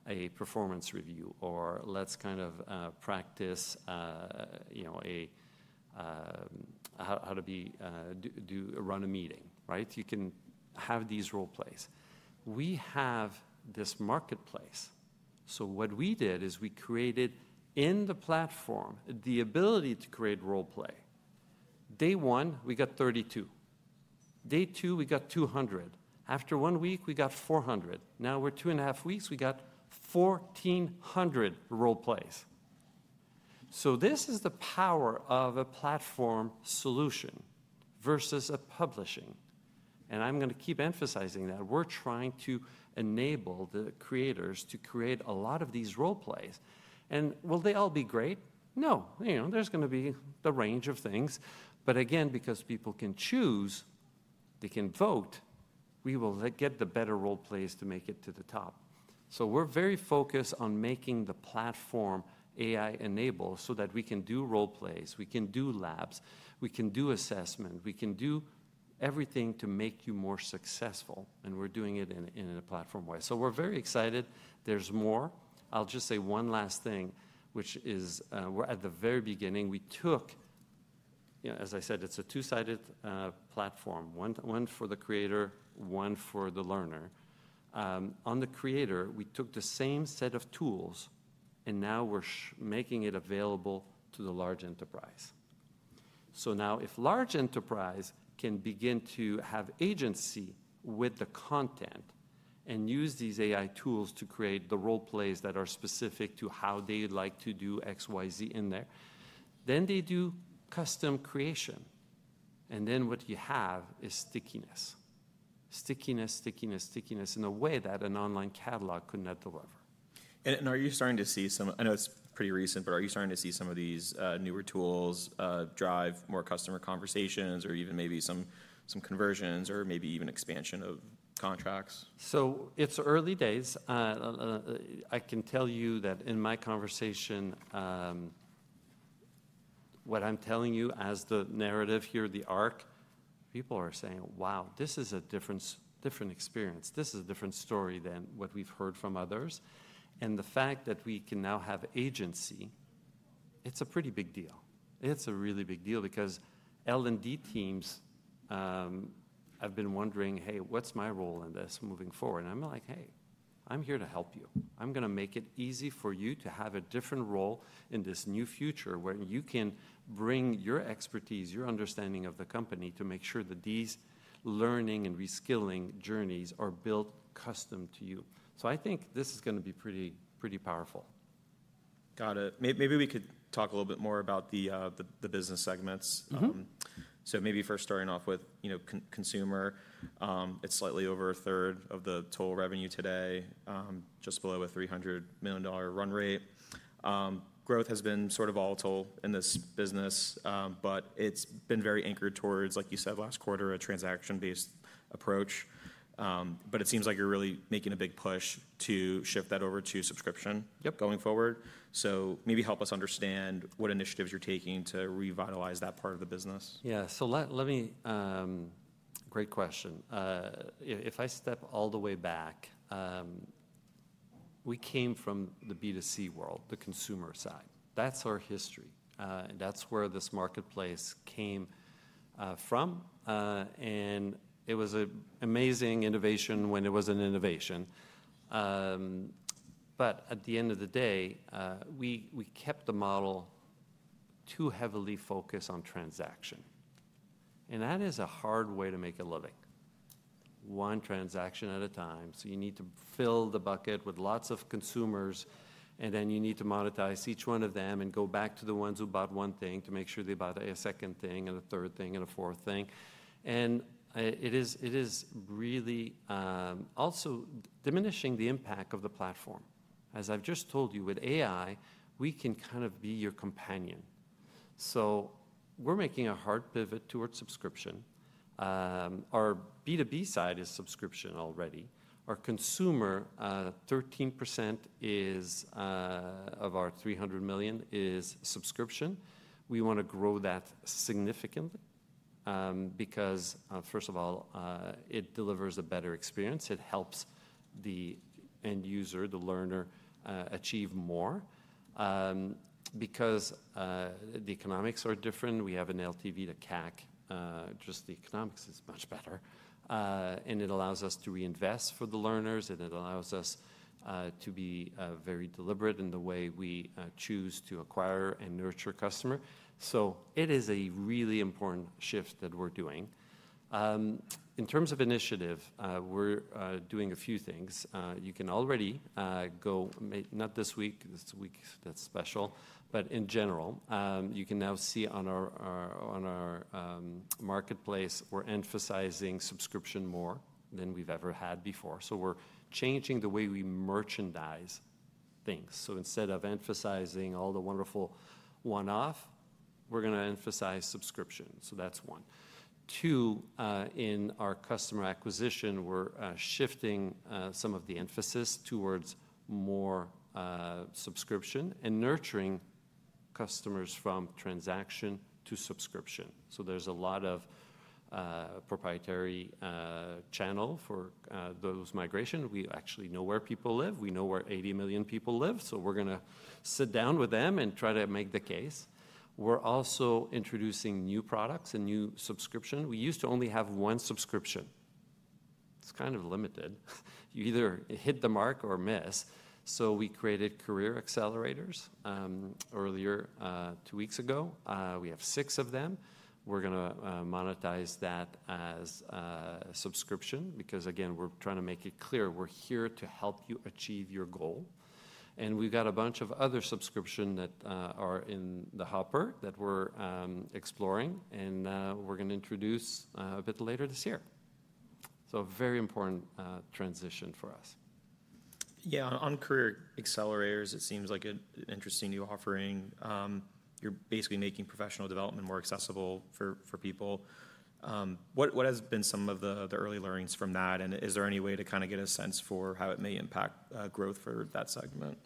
a performance review," or, "Let's kind of practice how to run a meeting," right? You can have these role plays. We have this marketplace. What we did is we created in the platform the ability to create role play. Day one, we got 32. Day two, we got 200. After one week, we got 400. Now we are two and a half weeks, we got 1,400 role plays. This is the power of a platform solution versus a publishing. I'm going to keep emphasizing that we're trying to enable the creators to create a lot of these role plays. Will they all be great? No. There's going to be the range of things. Again, because people can choose, they can vote, we will get the better role plays to make it to the top. We are very focused on making the platform AI-enabled so that we can do role plays, we can do labs, we can do assessment, we can do everything to make you more successful. We are doing it in a platform way. We are very excited. There is more. I will just say one last thing, which is we are at the very beginning. We took, as I said, it is a two-sided platform, one for the creator, one for the learner. On the creator, we took the same set of tools, and now we are making it available to the large enterprise. If large enterprise can begin to have agency with the content and use these AI tools to create the role plays that are specific to how they'd like to do XYZ in there, then they do custom creation. What you have is stickiness, stickiness, stickiness, stickiness in a way that an online catalog could not deliver. Are you starting to see some, I know it's pretty recent, but are you starting to see some of these newer tools drive more customer conversations or even maybe some conversions or maybe even expansion of contracts? It is early days. I can tell you that in my conversation, what I am telling you as the narrative here, the arc, people are saying, "Wow, this is a different experience. This is a different story than what we have heard from others." The fact that we can now have agency, it is a pretty big deal. It is a really big deal because L&D teams have been wondering, "Hey, what is my role in this moving forward?" I am like, "Hey, I am here to help you. I am going to make it easy for you to have a different role in this new future where you can bring your expertise, your understanding of the company to make sure that these learning and reskilling journeys are built custom to you." I think this is going to be pretty powerful. Got it. Maybe we could talk a little bit more about the business segments. Maybe first starting off with consumer, it's slightly over a third of the total revenue today, just below a $300 million run rate. Growth has been sort of volatile in this business, but it's been very anchored towards, like you said, last quarter, a transaction-based approach. It seems like you're really making a big push to shift that over to subscription going forward. Maybe help us understand what initiatives you're taking to revitalize that part of the business. Yeah, so let me, great question. If I step all the way back, we came from the B2C world, the consumer side. That's our history. That's where this marketplace came from. It was an amazing innovation when it was an innovation. At the end of the day, we kept the model too heavily focused on transaction. That is a hard way to make a living, one transaction at a time. You need to fill the bucket with lots of consumers, and then you need to monetize each one of them and go back to the ones who bought one thing to make sure they bought a second thing and a third thing and a fourth thing. It is really also diminishing the impact of the platform. As I've just told you, with AI, we can kind of be your companion. We're making a hard pivot towards subscription. Our B2B side is subscription already. Our consumer, 13% of our $300 million is subscription. We want to grow that significantly because, first of all, it delivers a better experience. It helps the end user, the learner, achieve more. Because the economics are different, we have an LTV to CAC, just the economics is much better. It allows us to reinvest for the learners, and it allows us to be very deliberate in the way we choose to acquire and nurture customers. It is a really important shift that we're doing. In terms of initiative, we're doing a few things. You can already go, not this week, this week that's special, but in general, you can now see on our marketplace, we're emphasizing subscription more than we've ever had before. We're changing the way we merchandise things. Instead of emphasizing all the wonderful one-off, we're going to emphasize subscription. That's one. Two, in our customer acquisition, we're shifting some of the emphasis towards more subscription and nurturing customers from transaction to subscription. There's a lot of proprietary channel for those migrations. We actually know where people live. We know where 80 million people live. We're going to sit down with them and try to make the case. We're also introducing new products and new subscriptions. We used to only have one subscription. It's kind of limited. You either hit the mark or miss. We created Career Accelerators earlier two weeks ago. We have six of them. We're going to monetize that as subscription because, again, we're trying to make it clear we're here to help you achieve your goal. We have got a bunch of other subscription that are in the hopper that we are exploring, and we are going to introduce a bit later this year. A very important transition for us. Yeah, on Career Accelerators, it seems like an interesting new offering. You're basically making professional development more accessible for people. What has been some of the early learnings from that? Is there any way to kind of get a sense for how it may impact growth for that segment?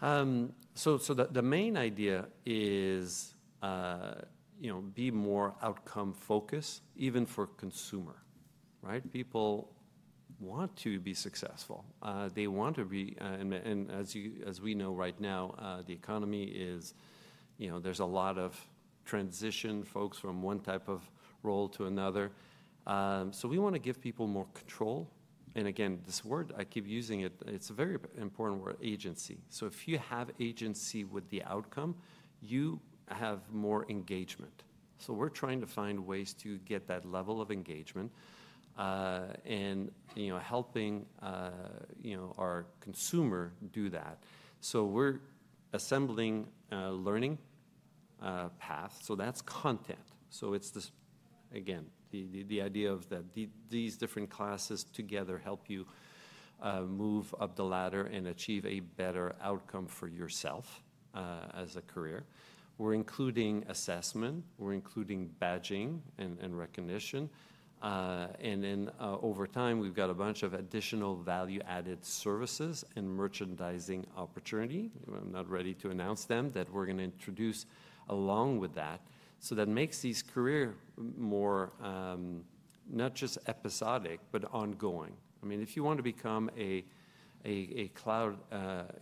The main idea is be more outcome-focused, even for consumer, right? People want to be successful. They want to be, and as we know right now, the economy is, there's a lot of transition folks from one type of role to another. We want to give people more control. Again, this word, I keep using it, it's a very important word, agency. If you have agency with the outcome, you have more engagement. We're trying to find ways to get that level of engagement and helping our consumer do that. We're assembling a learning path. That's content. It's this, again, the idea of that these different classes together help you move up the ladder and achieve a better outcome for yourself as a career. We're including assessment. We're including badging and recognition. Over time, we've got a bunch of additional value-added services and merchandising opportunity. I'm not ready to announce them that we're going to introduce along with that. That makes these careers more not just episodic, but ongoing. I mean, if you want to become a cloud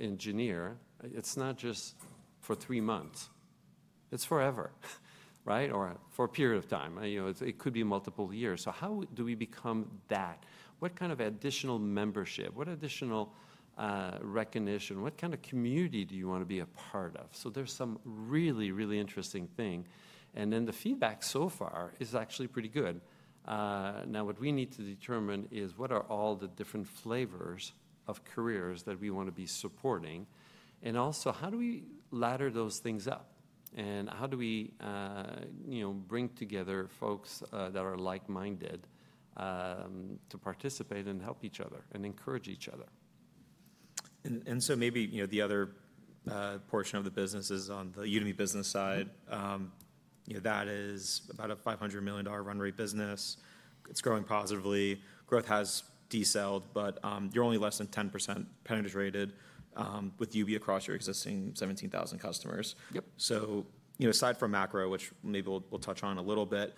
engineer, it's not just for three months. It's forever, right? Or for a period of time. It could be multiple years. How do we become that? What kind of additional membership? What additional recognition? What kind of community do you want to be a part of? There's some really, really interesting thing. The feedback so far is actually pretty good. Now, what we need to determine is what are all the different flavors of careers that we want to be supporting? Also, how do we ladder those things up? How do we bring together folks that are like-minded to participate and help each other and encourage each other? Maybe the other portion of the business is on the Udemy Business side. That is about a $500 million run rate business. It's growing positively. Growth has decelled, but you're only less than 10% penetrated with UB across your existing 17,000 customers. Aside from macro, which maybe we'll touch on a little bit,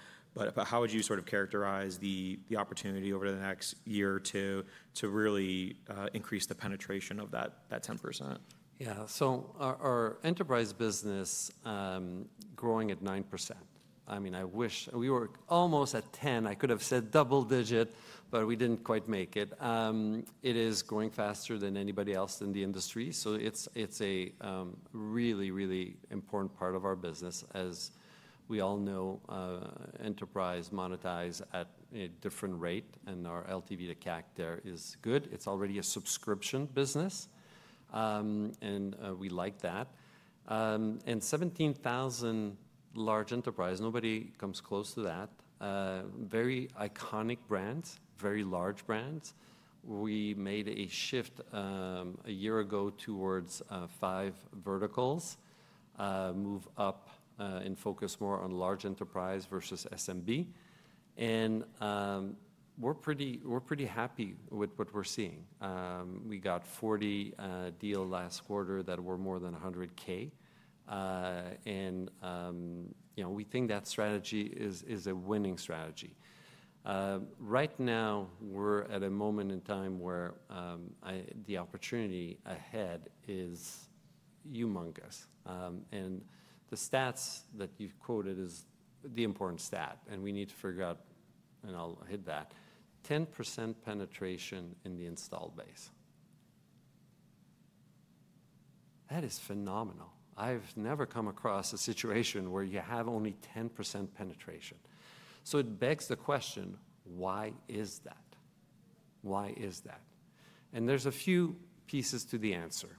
how would you sort of characterize the opportunity over the next year or two to really increase the penetration of that 10%? Yeah, so our enterprise business is growing at 9%. I mean, I wish we were almost at 10%. I could have said double digit, but we did not quite make it. It is growing faster than anybody else in the industry. It is a really, really important part of our business. As we all know, enterprise monetizes at a different rate, and our LTV to CAC there is good. It is already a subscription business, and we like that. And 17,000 large enterprise, nobody comes close to that. Very iconic brands, very large brands. We made a shift a year ago towards five verticals, move up and focus more on large enterprise versus SMB. We are pretty happy with what we are seeing. We got 40 deals last quarter that were more than $100,000. We think that strategy is a winning strategy. Right now, we're at a moment in time where the opportunity ahead is humongous. The stats that you quoted are the important stat, and we need to figure out, and I'll hit that, 10% penetration in the installed base. That is phenomenal. I've never come across a situation where you have only 10% penetration. It begs the question, why is that? Why is that? There's a few pieces to the answer.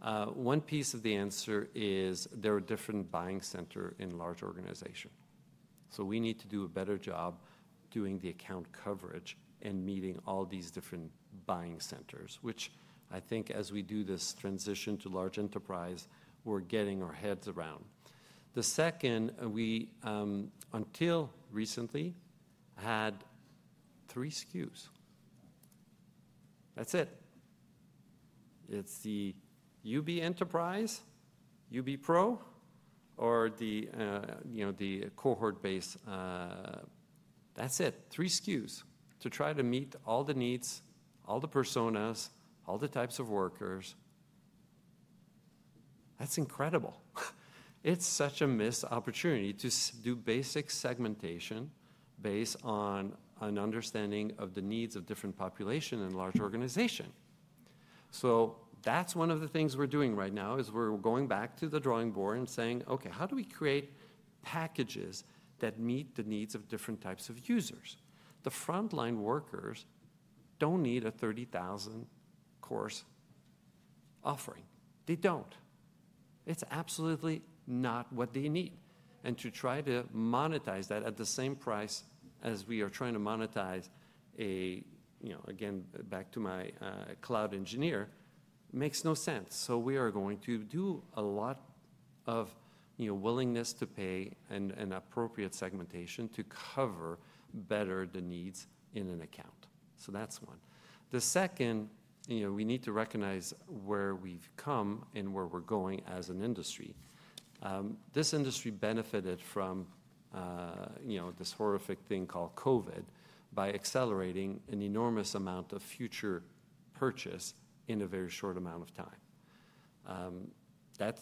One piece of the answer is there are different buying centers in large organizations. We need to do a better job doing the account coverage and meeting all these different buying centers, which I think as we do this transition to large enterprise, we're getting our heads around. The second, until recently, we had three SKUs. That's it. It's the UB Enterprise, UB Pro, or the cohort-based. That's it, three SKUs to try to meet all the needs, all the personas, all the types of workers. That's incredible. It's such a missed opportunity to do basic segmentation based on an understanding of the needs of different populations in a large organization. One of the things we're doing right now is we're going back to the drawing board and saying, okay, how do we create packages that meet the needs of different types of users? The frontline workers don't need a 30,000-course offering. They don't. It's absolutely not what they need. To try to monetize that at the same price as we are trying to monetize a, again, back to my cloud engineer, makes no sense. We are going to do a lot of willingness to pay and appropriate segmentation to cover better the needs in an account. That's one. The second, we need to recognize where we've come and where we're going as an industry. This industry benefited from this horrific thing called COVID by accelerating an enormous amount of future purchase in a very short amount of time. That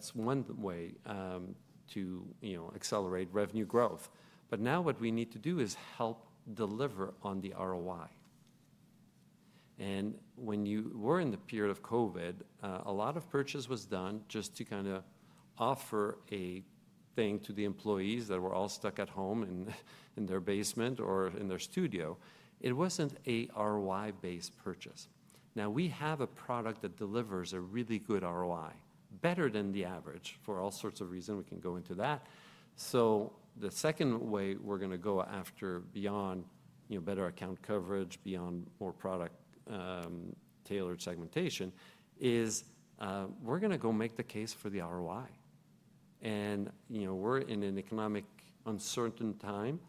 is one way to accelerate revenue growth. Now what we need to do is help deliver on the ROI. When we were in the period of COVID, a lot of purchase was done just to kind of offer a thing to the employees that were all stuck at home in their basement or in their studio. It was not an ROI-based purchase. Now, we have a product that delivers a really good ROI, better than the average for all sorts of reasons. We can go into that. The second way we're going to go after beyond better account coverage, beyond more product-tailored segmentation, is we're going to go make the case for the ROI. We're in an economic uncertain time.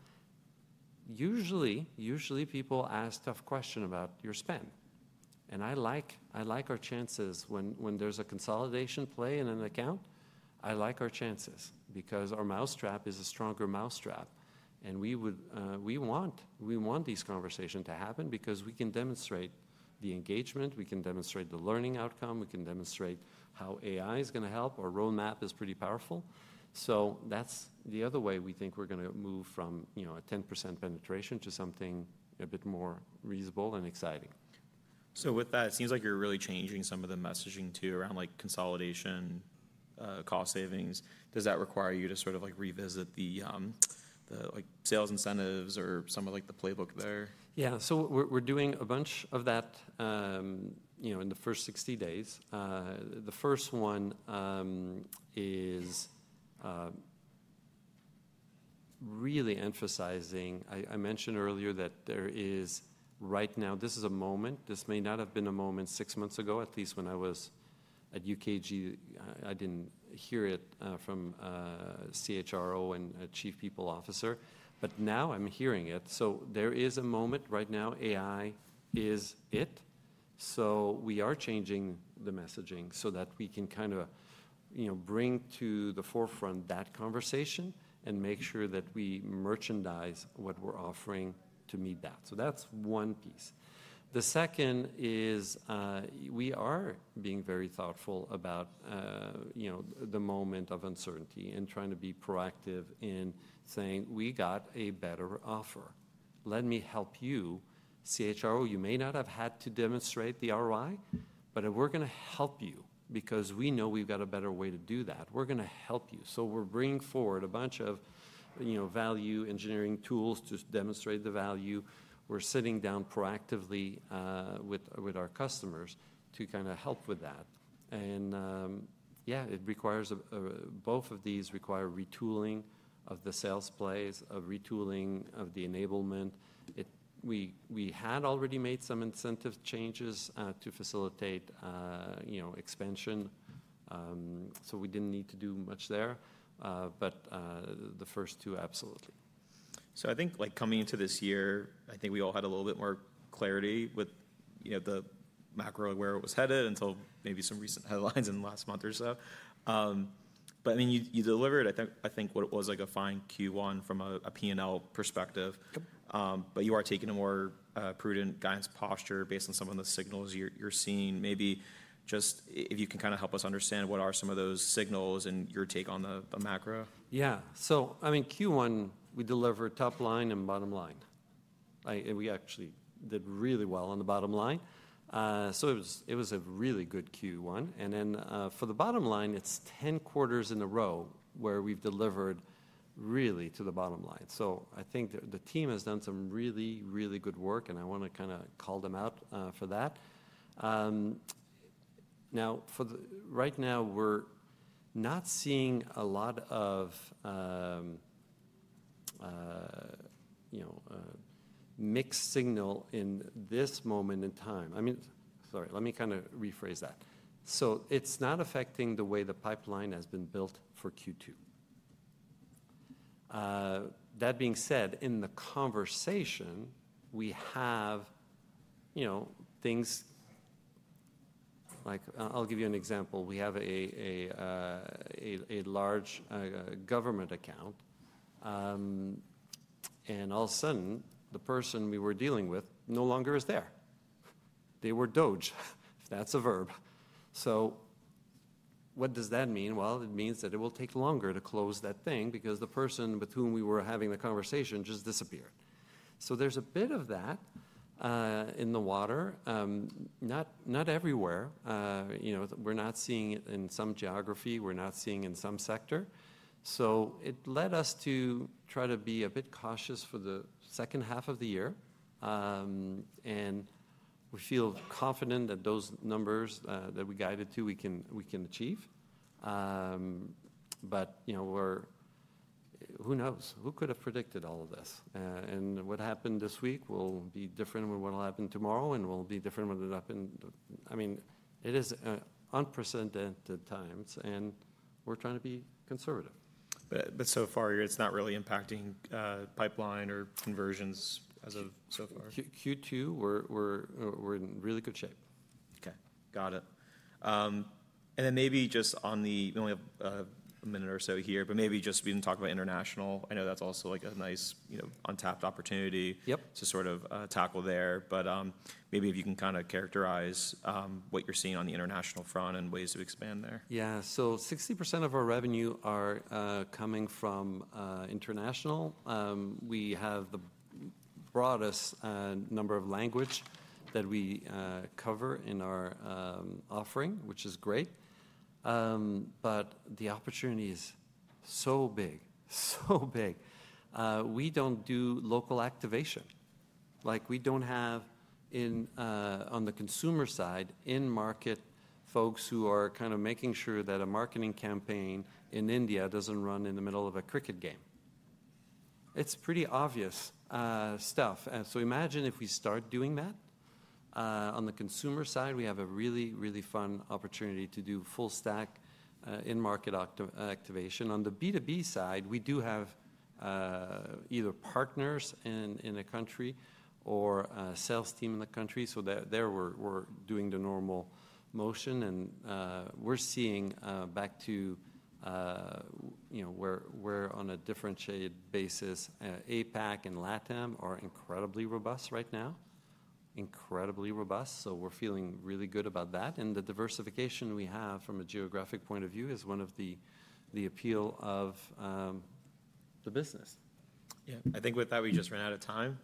Usually, people ask tough questions about your spend. I like our chances when there's a consolidation play in an account. I like our chances because our mousetrap is a stronger mousetrap. We want these conversations to happen because we can demonstrate the engagement. We can demonstrate the learning outcome. We can demonstrate how AI is going to help, or roadmap is pretty powerful. That's the other way we think we're going to move from a 10% penetration to something a bit more reasonable and exciting. With that, it seems like you're really changing some of the messaging too around consolidation, cost savings. Does that require you to sort of revisit the sales incentives or some of the playbook there? Yeah, so we're doing a bunch of that in the first 60 days. The first one is really emphasizing, I mentioned earlier that there is right now, this is a moment. This may not have been a moment six months ago, at least when I was at UKG, I didn't hear it from CHRO and Chief People Officer. Now I'm hearing it. There is a moment right now, AI is it. We are changing the messaging so that we can kind of bring to the forefront that conversation and make sure that we merchandise what we're offering to meet that. That's one piece. The second is we are being very thoughtful about the moment of uncertainty and trying to be proactive in saying, we got a better offer. Let me help you, CHRO. You may not have had to demonstrate the ROI, but we're going to help you because we know we've got a better way to do that. We're going to help you. We are bringing forward a bunch of value engineering tools to demonstrate the value. We are sitting down proactively with our customers to kind of help with that. Yeah, it requires both of these require retooling of the sales plays, retooling of the enablement. We had already made some incentive changes to facilitate expansion. We did not need to do much there. The first two, absolutely. I think coming into this year, I think we all had a little bit more clarity with the macro where it was headed until maybe some recent headlines in the last month or so. I mean, you delivered, I think, what was like a fine Q1 from a P&L perspective. You are taking a more prudent guidance posture based on some of the signals you're seeing. Maybe just if you can kind of help us understand what are some of those signals and your take on the macro. Yeah. I mean, Q1, we delivered top line and bottom line. We actually did really well on the bottom line. It was a really good Q1. For the bottom line, it is 10 quarters in a row where we have delivered really to the bottom line. I think the team has done some really, really good work, and I want to kind of call them out for that. Right now, we are not seeing a lot of mixed signal in this moment in time. I mean, sorry, let me kind of rephrase that. It is not affecting the way the pipeline has been built for Q2. That being said, in the conversation, we have things like, I will give you an example. We have a large government account. All of a sudden, the person we were dealing with no longer is there. They were dodged, if that's a verb. What does that mean? It means that it will take longer to close that thing because the person with whom we were having the conversation just disappeared. There's a bit of that in the water. Not everywhere. We're not seeing it in some geography. We're not seeing it in some sector. It led us to try to be a bit cautious for the second half of the year. We feel confident that those numbers that we guided to, we can achieve. Who knows? Who could have predicted all of this? What happened this week will be different than what will happen tomorrow, and will be different than what will happen. I mean, it is unprecedented times, and we're trying to be conservative. So far, it's not really impacting pipeline or conversions as of so far? Q2, we're in really good shape. Okay. Got it. Maybe just on the, we only have a minute or so here, but maybe just we can talk about international. I know that's also like a nice untapped opportunity to sort of tackle there. Maybe if you can kind of characterize what you're seeing on the international front and ways to expand there. Yeah. So 60% of our revenue are coming from international. We have the broadest number of language that we cover in our offering, which is great. The opportunity is so big, so big. We do not do local activation. We do not have on the consumer side, in market, folks who are kind of making sure that a marketing campaign in India does not run in the middle of a cricket game. It is pretty obvious stuff. Imagine if we start doing that. On the consumer side, we have a really, really fun opportunity to do full stack in-market activation. On the B2B side, we do have either partners in a country or a sales team in the country. There we are doing the normal motion. We are seeing back to where on a differentiated basis, APAC and LATAM are incredibly robust right now, incredibly robust. We're feeling really good about that. The diversification we have from a geographic point of view is one of the appeals of the business. Yeah. I think with that, we just ran out of time.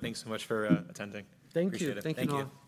Thanks so much for attending. Thank you. Appreciate it. Thank you.